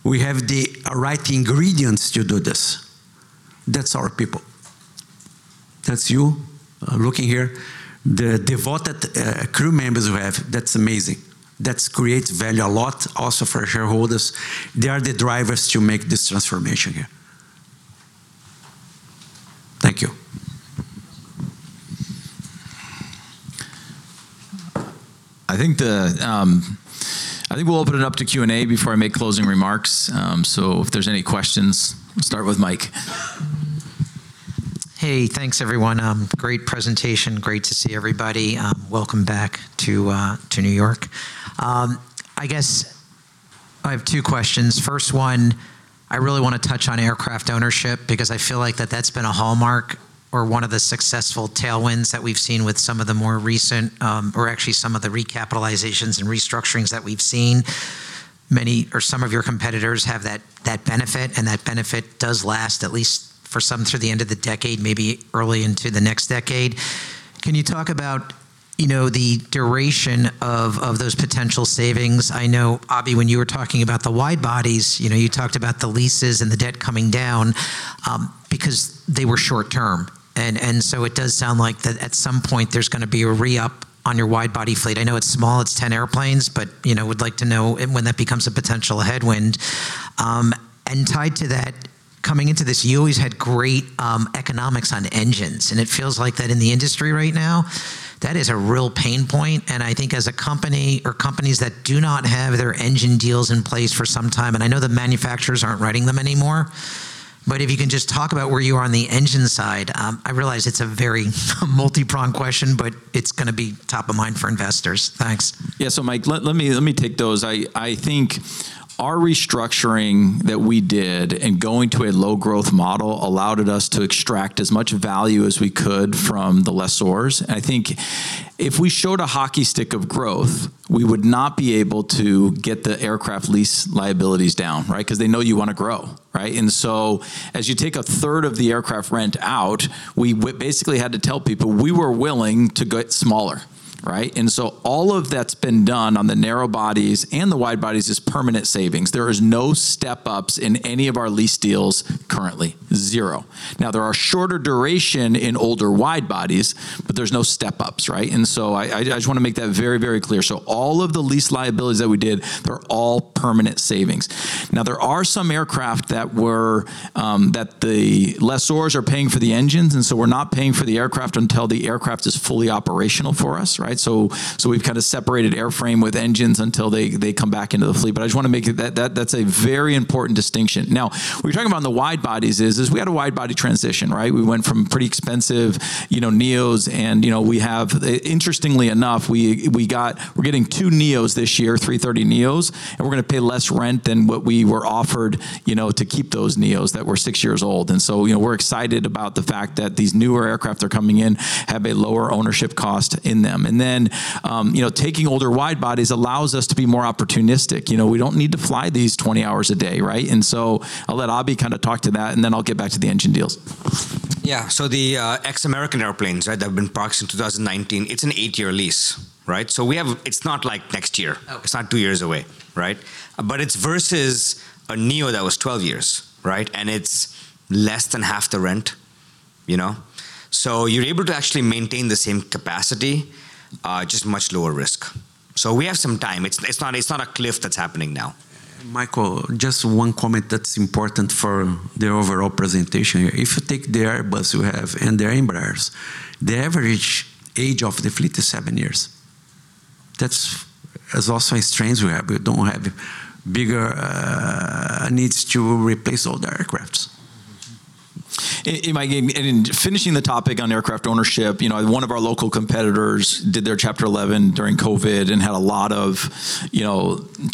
We have the right ingredients to do this. That's our people. That's you looking here. The devoted crew members we have, that's amazing. That creates value a lot also for our shareholders. They are the drivers to make this transformation here. Thank you. I think we'll open it up to Q&A before I make closing remarks. If there's any questions, start with Mike. Hey, thanks everyone. Great presentation. Great to see everybody. Welcome back to N.Y. I guess I have two questions. First one, I really want to touch on aircraft ownership because I feel like that's been a hallmark or one of the successful tailwinds that we've seen with some of the more recent, or actually some of the recapitalizations and restructurings that we've seen. Many or some of your competitors have that benefit, That benefit does last at least for some through the end of the decade, maybe early into the next decade. Can you talk about the duration of those potential savings? I know, Abhi, when you were talking about the wide bodies, you talked about the leases and the debt coming down, because they were short term. It does sound like that at some point there's going to be a re-up on your wide body fleet. I know it's small, it's 10 airplanes, Would like to know when that becomes a potential headwind. Tied to that, coming into this, you always had great economics on engines, and it feels like that in the industry right now, that is a real pain point, and I think as a company or companies that do not have their engine deals in place for some time, and I know the manufacturers aren't writing them anymore, but if you can just talk about where you are on the engine side. I realize it's a very multi-pronged question, It's going to be top of mind for investors. Thanks. Mike, let me take those. I think our restructuring that we did and going to a low growth model allowed us to extract as much value as we could from the lessors. I think if we showed a hockey stick of growth, we would not be able to get the aircraft lease liabilities down, right? Because they know you want to grow, right? As you take a third of the aircraft rent out, we basically had to tell people we were willing to get smaller, right? All of that's been done on the narrow bodies and the wide bodies is permanent savings. There is no step ups in any of our lease deals currently. Zero. There are shorter duration in older wide bodies, but there's no step ups, right? I just want to make that very, very clear. All of the lease liabilities that we did are all permanent savings. There are some aircraft that the lessors are paying for the engines, we're not paying for the aircraft until the aircraft is fully operational for us, right? We've kind of separated airframe with engines until they come back into the fleet. I just want to make it that that's a very important distinction. When you're talking about the wide bodies is we had a wide body transition, right? We went from pretty expensive NEOs and interestingly enough, we're getting two NEOs this year, 330 NEOs, and we're going to pay less rent than what we were offered to keep those NEOs that were six years old. We're excited about the fact that these newer aircraft are coming in, have a lower ownership cost in them. Taking older wide bodies allows us to be more opportunistic. We don't need to fly these 20 hours a day, right? I'll let Abhi kind of talk to that, then I'll get back to the engine deals. The ex-American airplanes, right, that have been parked since 2019, it's an eight-year lease, right? It's not like next year. Oh. It's not two years away, right? It's versus a NEO that was 12 years, right? It's less than half the rent. You're able to actually maintain the same capacity, just much lower risk. We have some time. It's not a cliff that's happening now. Michael, just one comment that's important for the overall presentation here. If you take the Airbus you have and the Embraers, the average age of the fleet is seven years. That's also a strength we have. We don't have bigger needs to replace all the aircrafts. In finishing the topic on aircraft ownership, one of our local competitors did their Chapter 11 during COVID and had a lot of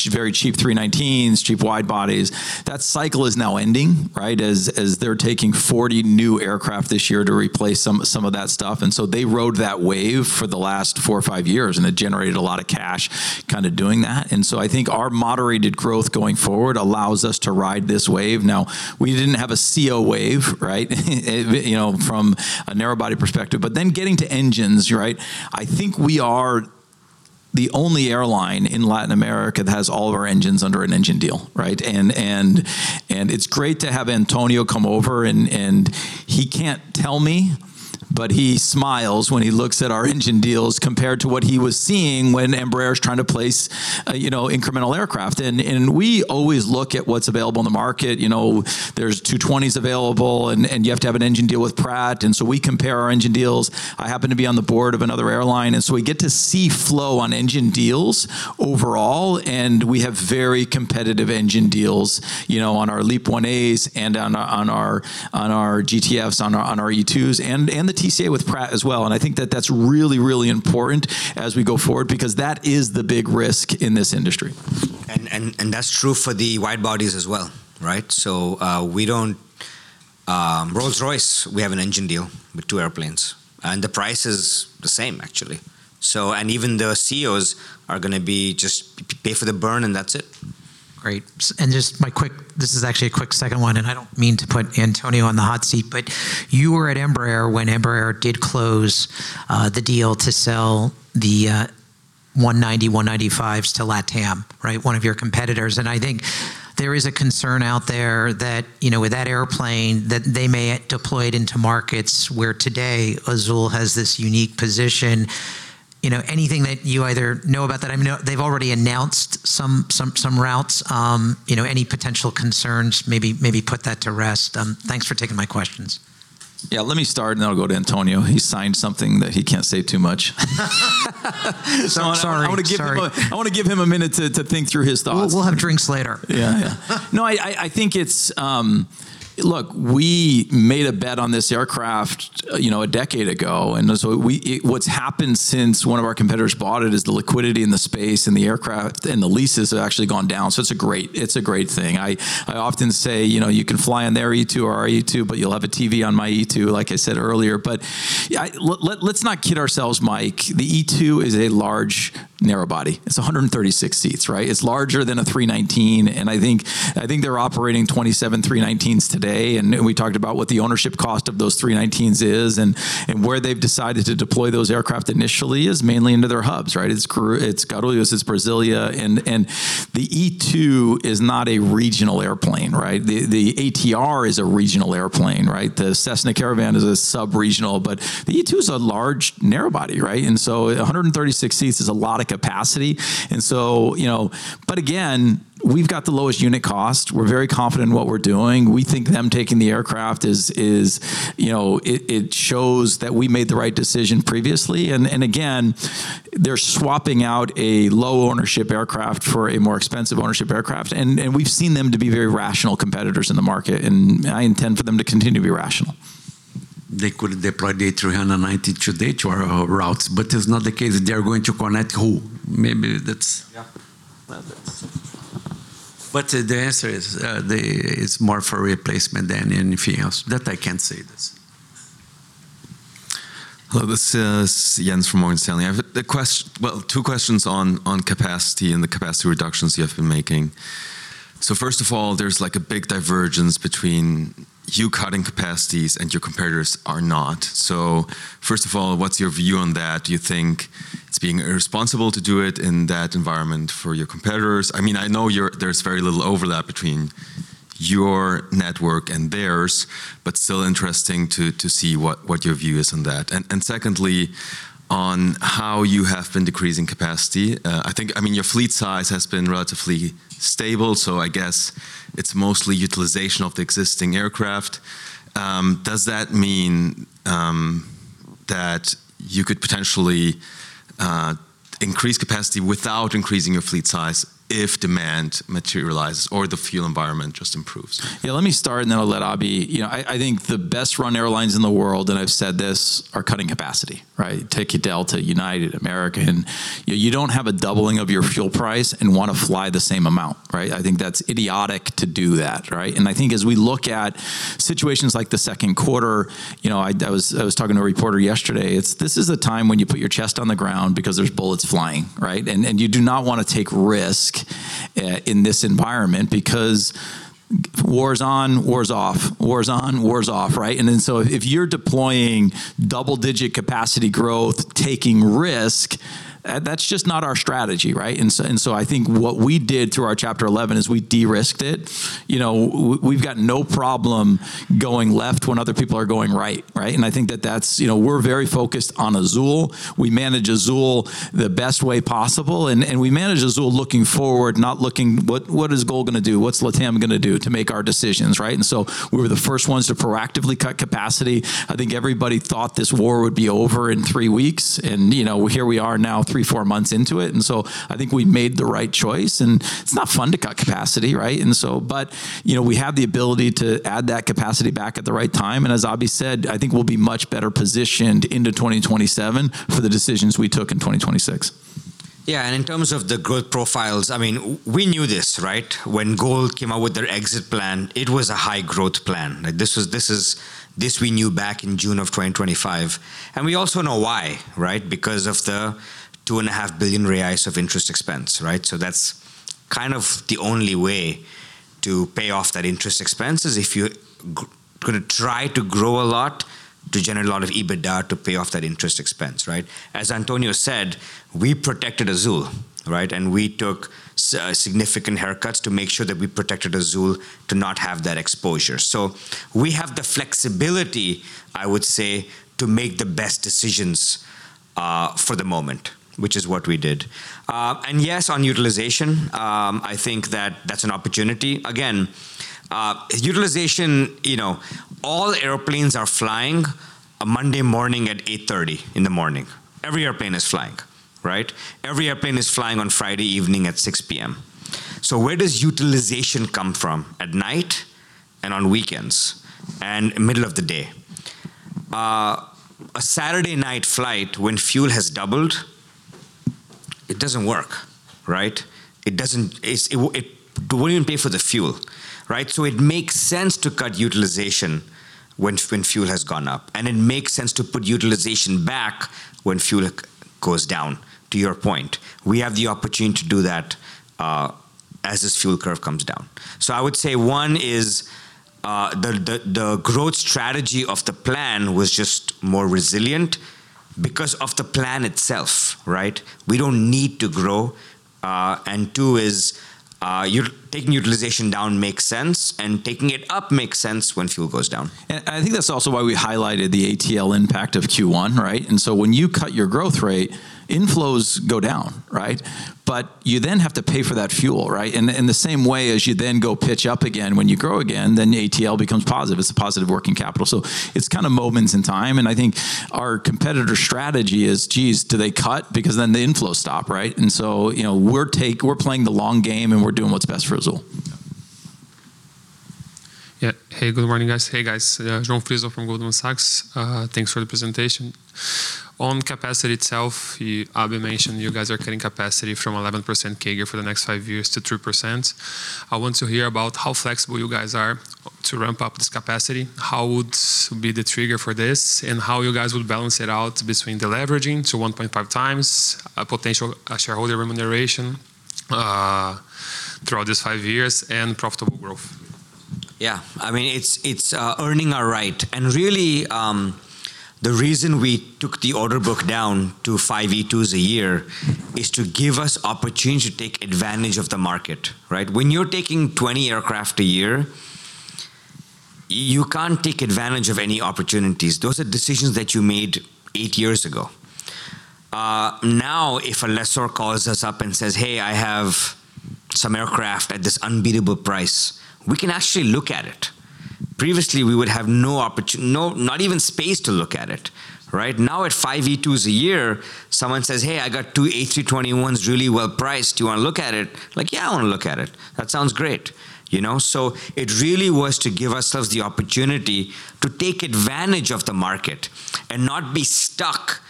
very cheap 319s, cheap wide bodies. That cycle is now ending, right? As they're taking 40 new aircraft this year to replace some of that stuff. They rode that wave for the last four or five years, and it generated a lot of cash kind of doing that. I think our moderated growth going forward allows us to ride this wave. Now, we didn't have a COVID wave, right? From a narrow body perspective, getting to engines, right? I think we are the only airline in Latin America that has all of our engines under an engine deal. It's great to have Antonio come over, and he can't tell me, but he smiles when he looks at our engine deals compared to what he was seeing when Embraer's trying to place incremental aircraft. We always look at what's available in the market. There's 220s available, and you have to have an engine deal with Pratt, and so we compare our engine deals. I happen to be on the board of another airline, and so we get to see flow on engine deals overall, and we have very competitive engine deals on our LEAP-1As and on our GTFs, on our E2s, and the TCA with Pratt as well. I think that that's really, really important as we go forward because that is the big risk in this industry. That's true for the wide bodies as well. Rolls-Royce, we have an engine deal with two airplanes, and the price is the same, actually. Even the CEOs are going to just pay for the burn, and that's it. Great. This is actually a quick second one, I don't mean to put Antonio on the hot seat, but you were at Embraer when Embraer did close the deal to sell the 190, 195s to LATAM, one of your competitors. I think there is a concern out there that with that airplane, that they may deploy it into markets where today Azul has this unique position. Anything that you either know about that? I know they've already announced some routes. Any potential concerns, maybe put that to rest. Thanks for taking my questions. Yeah, let me start, then I'll go to Antonio. He signed something that he can't say too much. Sorry. I want to give him a minute to think through his thoughts. We'll have drinks later. Yeah, look, we made a bet on this aircraft a decade ago. What's happened since one of our competitors bought it is the liquidity in the space and the aircraft and the leases have actually gone down. It's a great thing. I often say you can fly on their E2 or our E2, but you'll have a TV on my E2, like I said earlier. Let's not kid ourselves, Mike. The E2 is a large narrow body. It's 136 seats. It's larger than an A319, I think they're operating 27 A319s today. We talked about what the ownership cost of those A319s is and where they've decided to deploy those aircraft initially is mainly into their hubs. It's Curitiba, it's Brasília. The E2 is not a regional airplane. The ATR is a regional airplane. The Cessna Caravan is a sub-regional. The E2 is a large narrow body. 136 seats is a lot of capacity. Again, we've got the lowest unit cost. We're very confident in what we're doing. We think them taking the aircraft, it shows that we made the right decision previously. Again, they're swapping out a low-ownership aircraft for a more expensive ownership aircraft. We've seen them to be very rational competitors in the market, I intend for them to continue to be rational. They could deploy the A319 today to our routes. It's not the case. They're going to connect who? Yeah. The answer is, it's more for replacement than anything else. That I can say this. Hello, this is Jens from Morgan Stanley. I have two questions on capacity and the capacity reductions you have been making. First of all, there's a big divergence between you cutting capacities and your competitors are not. First of all, what's your view on that? Do you think it's being irresponsible to do it in that environment for your competitors? I know there's very little overlap between your network and theirs, but still interesting to see what your view is on that. Secondly, on how you have been decreasing capacity. Your fleet size has been relatively stable, so I guess it's mostly utilization of the existing aircraft. Does that mean that you could potentially increase capacity without increasing your fleet size if demand materializes or the fuel environment just improves? Yeah, let me start, and then I'll let Abhi. I think the best-run airlines in the world, and I've said this, are cutting capacity. Take your Delta, United, American. You don't have a doubling of your fuel price and want to fly the same amount. I think that's idiotic to do that. I think as we look at situations like the second quarter, I was talking to a reporter yesterday, this is a time when you put your chest on the ground because there's bullets flying. You do not want to take risk in this environment because war's on, war's off, war's on, war's off. If you're deploying double-digit capacity growth, taking risk, that's just not our strategy. I think what we did through our Chapter 11 is we de-risked it. We've got no problem going left when other people are going right. I think that we're very focused on Azul. We manage Azul the best way possible, and we manage Azul looking forward, not looking, what is Gol going to do, what's LATAM going to do to make our decisions? We were the first ones to proactively cut capacity. I think everybody thought this war would be over in three weeks, and here we are now three, four months into it. I think we made the right choice, and it's not fun to cut capacity. We have the ability to add that capacity back at the right time, and as Abhi said, I think we'll be much better positioned into 2027 for the decisions we took in 2026. In terms of the growth profiles, we knew this. When Gol came out with their exit plan, it was a high-growth plan. This we knew back in June of 2025. We also know why. Because of the 2.5 billion reais of interest expense. That's kind of the only way to pay off that interest expense is if you're going to try to grow a lot to generate a lot of EBITDA to pay off that interest expense. As Antonio said, we protected Azul. We took significant haircuts to make sure that we protected Azul to not have that exposure. We have the flexibility, I would say, to make the best decisions for the moment, which is what we did. Yes, on utilization, I think that's an opportunity. Again, utilization, all airplanes are flying a Monday morning at 8:30 A.M. in the morning. Every airplane is flying. Every airplane is flying on Friday evening at 6:00 P.M. Where does utilization come from? At night and on weekends and middle of the day. A Saturday night flight when fuel has doubled, it doesn't work. It won't even pay for the fuel. It makes sense to cut utilization when fuel has gone up and it makes sense to put utilization back when fuel goes down, to your point. We have the opportunity to do that as this fuel curve comes down. I would say one is the growth strategy of the plan was just more resilient because of the plan itself. We don't need to grow. Two is taking utilization down makes sense and taking it up makes sense when fuel goes down. I think that's also why we highlighted the ATL impact of Q1. When you cut your growth rate, inflows go down. You then have to pay for that fuel. In the same way as you then go pitch up again, when you grow again, then ATL becomes positive. It's a positive working capital. It's kind of moments in time and I think our competitor strategy is, geez, do they cut? Because then the inflows stop. We're playing the long game and we're doing what's best for Azul. Yeah. Hey, good morning, guys. Hey, guys. João Frizo from Goldman Sachs. Thanks for the presentation. On capacity itself, Abhi mentioned you guys are cutting capacity from 11% CAGR for the next five years to 3%. I want to hear about how flexible you guys are to ramp up this capacity. How would be the trigger for this and how you guys will balance it out between the leveraging to 1.5x potential shareholder remuneration throughout these five years and profitable growth? It's earning our right and really, the reason we took the order book down to five E2s a year is to give us opportunity to take advantage of the market. When you're taking 20 aircraft a year, you can't take advantage of any opportunities. Those are decisions that you made eight years ago. Now, if a lessor calls us up and says, "Hey, I have some aircraft at this unbeatable price," we can actually look at it. Previously, we would have not even space to look at it. Now at 5 E2s a year, someone says, "Hey, I got 2 A321s really well priced. Do you want to look at it?" Like, "Yeah, I want to look at it. That sounds great. It really was to give ourselves the opportunity to take advantage of the market and not be stuck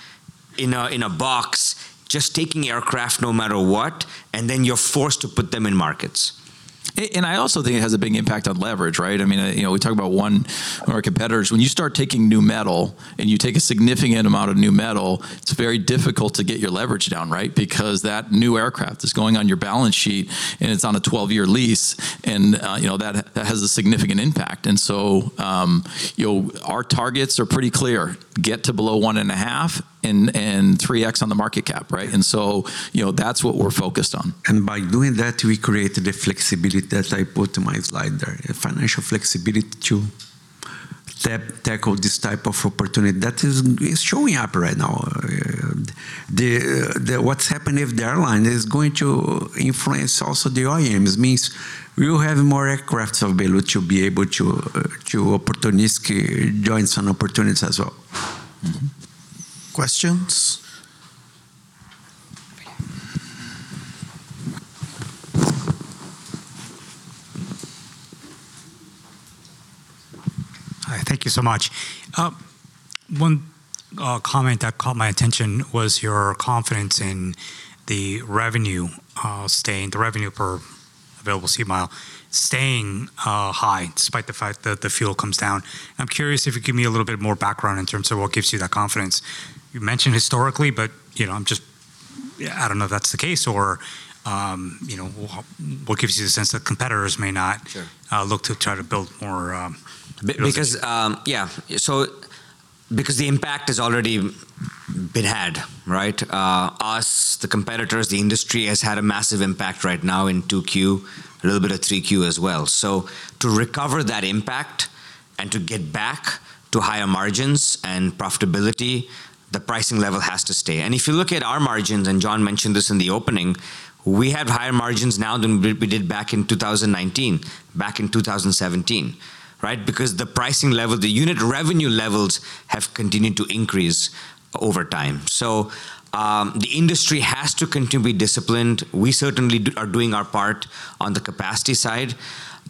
in a box just taking aircraft no matter what and then you're forced to put them in markets. I also think it has a big impact on leverage. We talk about one of our competitors. When you start taking new metal and you take a significant amount of new metal, it's very difficult to get your leverage down because that new aircraft is going on your balance sheet and it's on a 12-year lease and that has a significant impact. Our targets are pretty clear. Get to below 1.5 and 3x on the market cap and so that's what we're focused on. By doing that, we create the flexibility that I put in my slide there, the financial flexibility to tackle this type of opportunity that is showing up right now. What's happening with the airline is going to influence also the OEMs means we will have more aircraft available to be able to opportunistically join some opportunities as well. Questions? Hi, thank you so much. One comment that caught my attention was your confidence in the revenue per available seat mile staying high despite the fact that the fuel comes down. I am curious if you could give me a little bit more background in terms of what gives you that confidence. You mentioned historically, but I do not know if that is the case or what gives you the sense that competitors may not- Sure look to try to build more- The impact has already been had. Us, the competitors, the industry has had a massive impact right now in 2Q, a little bit of 3Q as well. To recover that impact and to get back to higher margins and profitability, the pricing level has to stay. If you look at our margins, and John mentioned this in the opening, we have higher margins now than we did back in 2019, back in 2017. The pricing level, the unit revenue levels have continued to increase over time. The industry has to continue to be disciplined. We certainly are doing our part on the capacity side.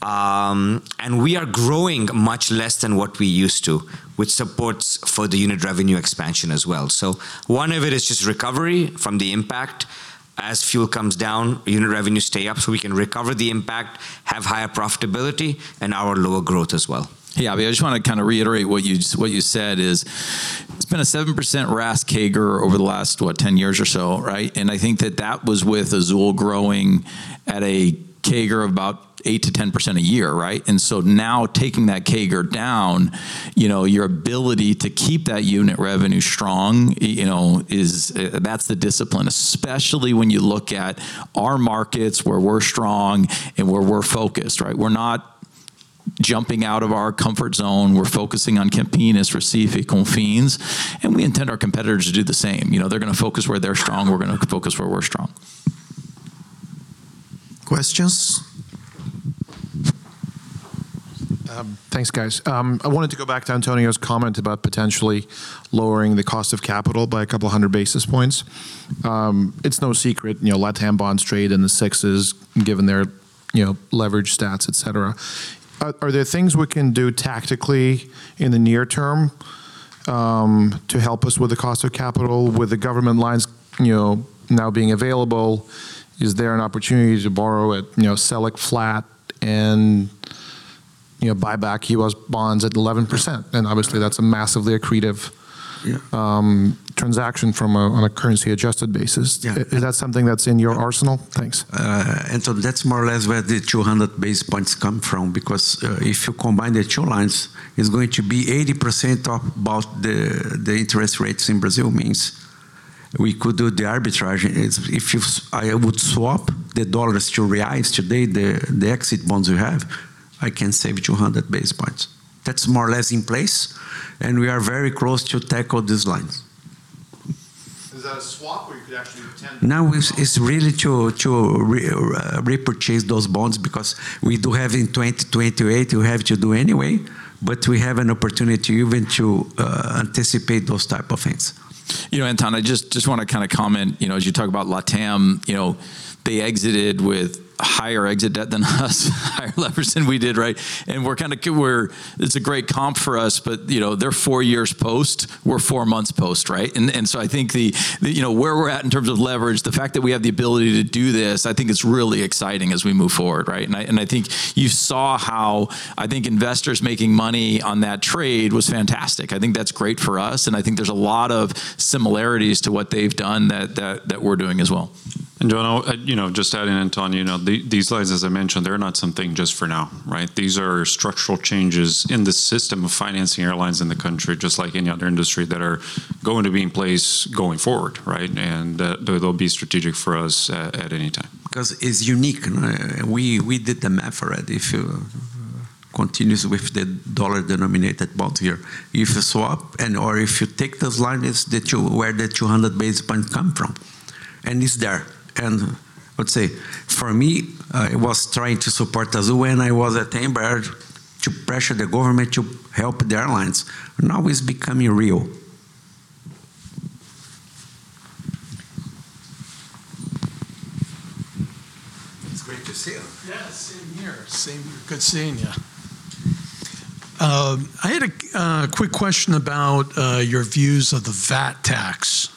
We are growing much less than what we used to, which supports for the unit revenue expansion as well. One of it is just recovery from the impact as fuel comes down, unit revenues stay up so we can recover the impact, have higher profitability and our lower growth as well. Abhi, I just want to reiterate what you said. It's been a 7% RAS CAGR over the last, what, 10 years or so, right? I think that that was with Azul growing at a CAGR of about 8%-10% a year, right? Now taking that CAGR down, your ability to keep that unit revenue strong, that's the discipline, especially when you look at our markets, where we're strong and where we're focused, right? We're not jumping out of our comfort zone. We're focusing on Campinas, Recife, Confins, and we intend our competitors to do the same. They're going to focus where they're strong. We're going to focus where we're strong. Questions? Thanks, guys. I wanted to go back to Antonio's comment about potentially lowering the cost of capital by a couple of hundred basis points. It's no secret LATAM bonds trade in the sixes, given their leverage stats, et cetera. Are there things we can do tactically in the near term to help us with the cost of capital, with the government lines now being available? Is there an opportunity to borrow at Selic flat and buy back U.S. bonds at 11%? Obviously, that's a massively accretive- Yeah. Transaction from a currency adjusted basis. Yeah. Is that something that's in your arsenal? Thanks. That's more or less where the 200 basis points come from, because if you combine the two lines, it's going to be 80% above the interest rates in Brazil means we could do the arbitrage. If I would swap the USD to BRL today, the exit bonds we have, I can save 200 basis points. That's more or less in place, and we are very close to tackle these lines. Is that a swap or you could actually have? No, it's really to repurchase those bonds because we do have in 2028, we have to do anyway, but we have an opportunity even to anticipate those type of things. Antonio, just want to kind of comment, as you talk about LATAM, they exited with higher exit debt than us, higher leverage than we did, right? It's a great comp for us, but they're 4 years post, we're 4 months post, right? I think where we're at in terms of leverage, the fact that we have the ability to do this, I think is really exciting as we move forward, right? I think you saw how investors making money on that trade was fantastic. I think that's great for us, and I think there's a lot of similarities to what they've done that we're doing as well. John, just adding, Antonio, these lines, as I mentioned, they're not something just for now, right? These are structural changes in the system of financing airlines in the country, just like any other industry that are going to be in place going forward, right? They'll be strategic for us at any time. It's unique. We did the math for it. If you continuous with the dollar denominated bond here, if you swap, or if you take those lines where the 200 basis points come from. It's there. Let's say, for me, I was trying to support Azul when I was at Embraer to pressure the government to help the airlines. Now it's becoming real. It's great to see you. Same here. Same here. Good seeing you. I had a quick question about your views of the VAT tax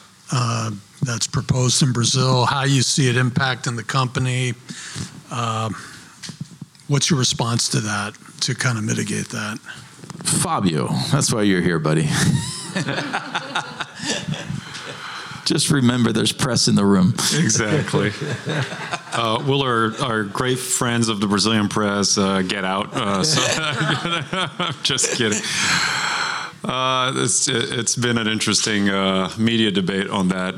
that's proposed in Brazil, how you see it impacting the company. What's your response to that to kind of mitigate that? Fabio, that's why you're here, buddy. Just remember, there's press in the room. Exactly. Will our great friends of the Brazilian press get out? Just kidding. It's been an interesting media debate on that.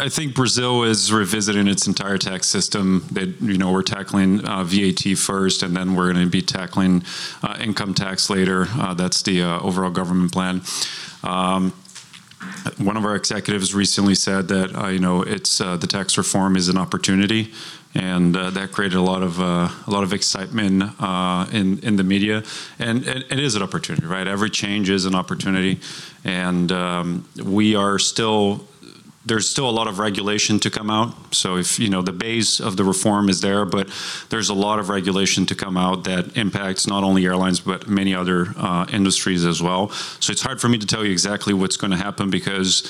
I think Brazil is revisiting its entire tax system. We're tackling VAT first, then we're going to be tackling income tax later. That's the overall government plan. One of our executives recently said that the tax reform is an opportunity, that created a lot of excitement in the media. It is an opportunity, right? Every change is an opportunity, there's still a lot of regulation to come out. The base of the reform is there's a lot of regulation to come out that impacts not only airlines, but many other industries as well. It's hard for me to tell you exactly what's going to happen because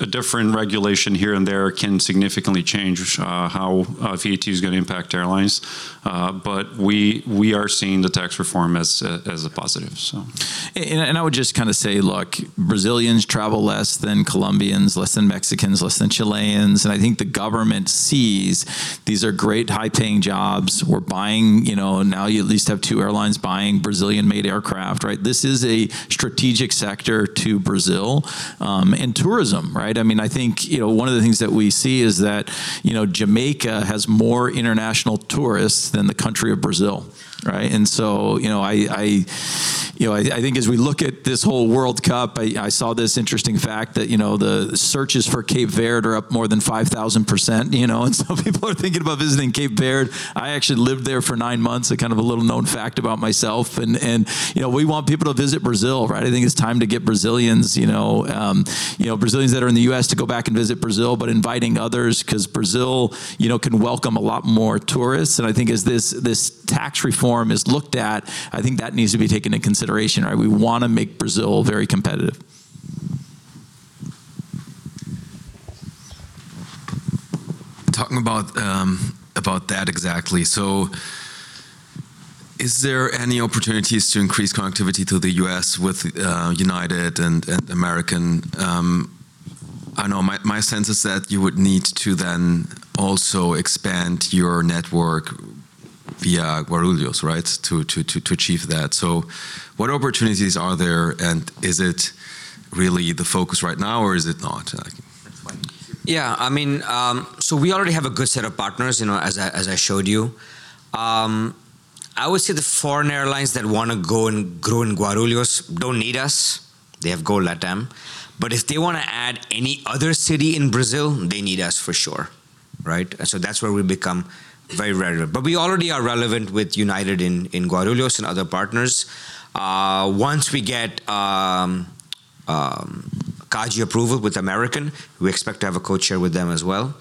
a different regulation here and there can significantly change how VAT is going to impact airlines. We are seeing the tax reform as a positive. I would just kind of say, look, Brazilians travel less than Colombians, less than Mexicans, less than Chileans. I think the government sees these are great high-paying jobs. Now you at least have two airlines buying Brazilian-made aircraft, right? This is a strategic sector to Brazil, tourism, right? I think one of the things that we see is that Jamaica has more international tourists than the country of Brazil, right? I think as we look at this whole World Cup, I saw this interesting fact that the searches for Cape Verde are up more than 5,000%, and some people are thinking about visiting Cape Verde. I actually lived there for nine months, a kind of a little-known fact about myself, we want people to visit Brazil, right? I think it's time to get Brazilians that are in the U.S. to go back and visit Brazil, inviting others because Brazil can welcome a lot more tourists. I think as this tax reform is looked at, I think that needs to be taken into consideration, right? We want to make Brazil very competitive. Talking about that, exactly. What opportunities are there to increase connectivity to the U.S. with United and American? I know my sense is that you would need to then also expand your network via Guarulhos, right? To achieve that. What opportunities are there, and is it really the focus right now, or is it not? We already have a good set of partners, as I showed you. I would say the foreign airlines that want to go and grow in Guarulhos don't need us. They have Gol, LATAM. If they want to add any other city in Brazil, they need us for sure. Right? That's where we become very relevant. We already are relevant with United in Guarulhos and other partners. Once we get CADE approval with American, we expect to have a code share with them as well.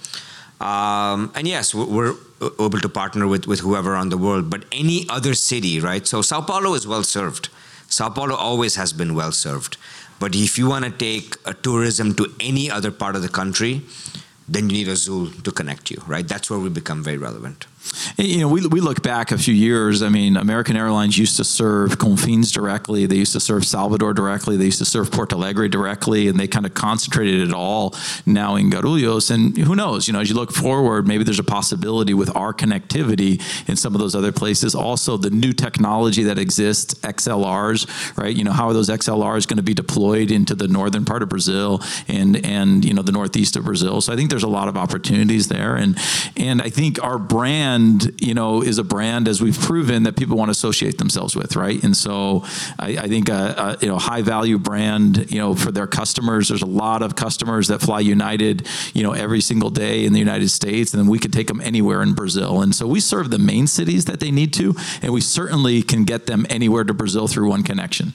Yes, we're open to partner with whoever around the world, but any other city, right? São Paulo is well-served. São Paulo always has been well-served. If you want to take tourism to any other part of the country, then you need Azul to connect you, right? That's where we become very relevant. We look back a few years, American Airlines used to serve Confins directly. They used to serve Salvador directly. They used to serve Porto Alegre directly. They kind of concentrated it all now in Guarulhos. Who knows? As you look forward, maybe there's a possibility with our connectivity in some of those other places, also, the new technology that exists, XLRs, right? How are those XLRs going to be deployed into the northern part of Brazil and the northeast of Brazil? I think there's a lot of opportunities there. I think our brand is a brand as we've proven that people want to associate themselves with, right? I think a high-value brand, for their customers, there's a lot of customers that fly United, every single day in the United States, and then we could take them anywhere in Brazil. We serve the main cities that they need to. We certainly can get them anywhere to Brazil through one connection.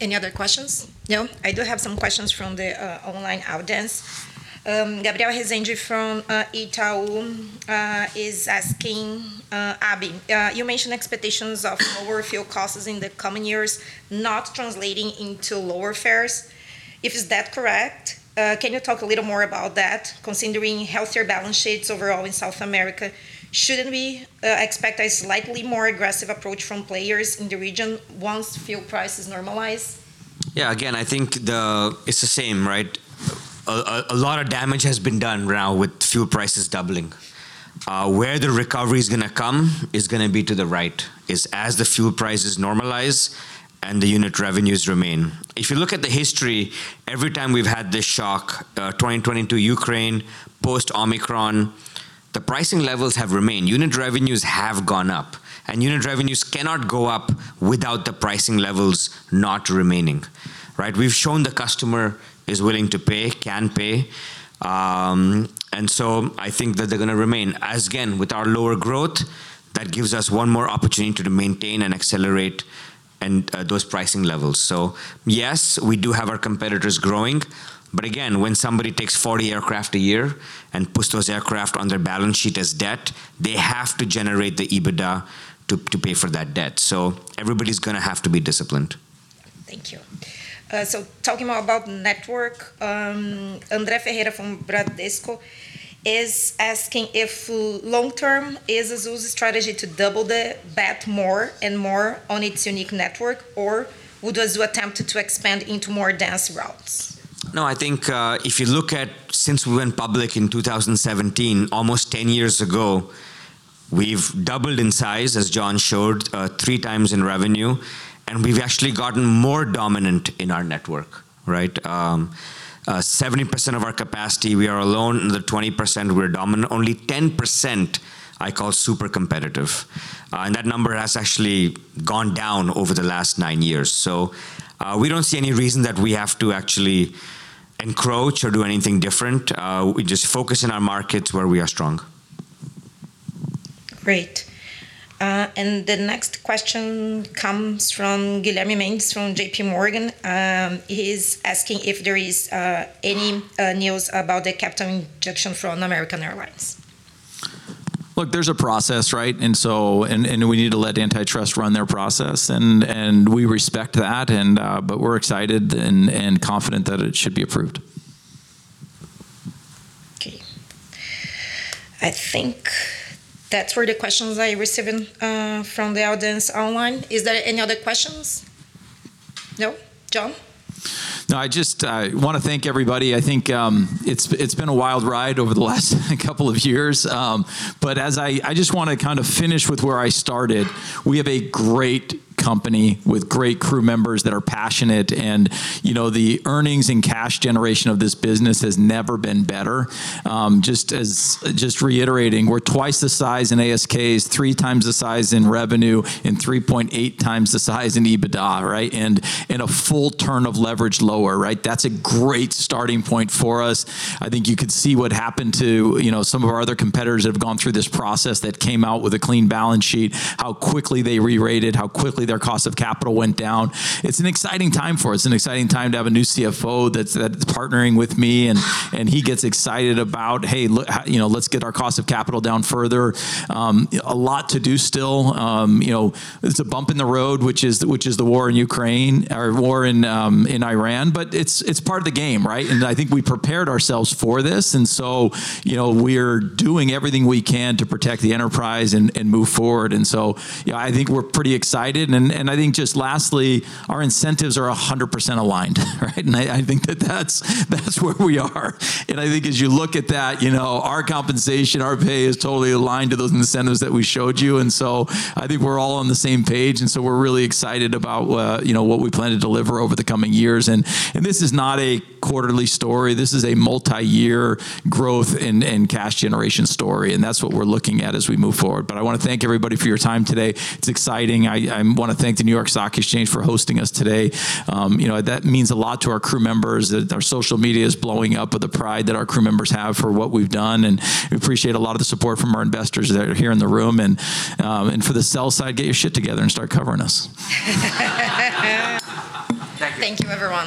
Any other questions? No? I do have some questions from the online audience. Gabriel Rezende from Itaú is asking, Abhi, you mentioned expectations of lower fuel costs in the coming years, not translating into lower fares. If is that correct, can you talk a little more about that, considering healthier balance sheets overall in South America? Shouldn't we expect a slightly more aggressive approach from players in the region once fuel prices normalize? Again, I think it's the same. A lot of damage has been done now with fuel prices doubling. Where the recovery's going to come is going to be to the right. As the fuel prices normalize and the unit revenues remain. If you look at the history, every time we've had this shock, 2022 Ukraine, post-Omicron, the pricing levels have remained. Unit revenues have gone up, unit revenues cannot go up without the pricing levels not remaining. We've shown the customer is willing to pay, can pay, I think that they're going to remain. Again, with our lower growth, that gives us one more opportunity to maintain and accelerate those pricing levels. Yes, we do have our competitors growing, again, when somebody takes 40 aircraft a year and puts those aircraft on their balance sheet as debt, they have to generate the EBITDA to pay for that debt. Everybody's going to have to be disciplined. Thank you. Talking more about network, Andre Ferreira from Bradesco is asking if long term is Azul's strategy to double the bet more and more on its unique network, or would Azul attempt to expand into more dense routes? I think, if you look at since we went public in 2017, almost 10 years ago, we've doubled in size, as John showed, three times in revenue, we've actually gotten more dominant in our network. 70% of our capacity, we are alone. In the 20%, we're dominant. Only 10% I call super competitive. That number has actually gone down over the last nine years. We don't see any reason that we have to actually encroach or do anything different. We just focus on our markets where we are strong. Great. The next question comes from Guilherme Mendes from JPMorgan. He is asking if there is any news about the capital injection from American Airlines. Look, there's a process, right? We need to let antitrust run their process, we respect that, we're excited and confident that it should be approved. Okay. I think that's all the questions I received from the audience online. Is there any other questions? No. John? I just want to thank everybody. I think it's been a wild ride over the last couple of years. I just want to kind of finish with where I started. We have a great company with great crew members that are passionate the earnings and cash generation of this business has never been better. Just reiterating, we're twice the size in ASKs, three times the size in revenue, 3.8x the size in EBITDA, right? A full turn of leverage lower, right? That's a great starting point for us. I think you could see what happened to some of our other competitors that have gone through this process that came out with a clean balance sheet, how quickly they rerated, how quickly their cost of capital went down. It's an exciting time for us. It's an exciting time to have a new CFO that's partnering with me and he gets excited about, hey, let's get our cost of capital down further. A lot to do still. There's a bump in the road, which is the war in Iran, but it's part of the game, right? I think we prepared ourselves for this, so we're doing everything we can to protect the enterprise and move forward. I think we're pretty excited, I think just lastly, our incentives are 100% aligned, right? I think that's where we are. I think as you look at that, our compensation, our pay is totally aligned to those incentives that we showed you. So we're all on the same page, so we're really excited about what we plan to deliver over the coming years. This is not a quarterly story. This is a multiyear growth and cash generation story, and that's what we're looking at as we move forward. I want to thank everybody for your time today. It's exciting. I want to thank the New York Stock Exchange for hosting us today. That means a lot to our crew members, that our social media is blowing up with the pride that our crew members have for what we've done, and we appreciate a lot of the support from our investors that are here in the room. For the sell side, get your shit together and start covering us. Thank you. Thank you, everyone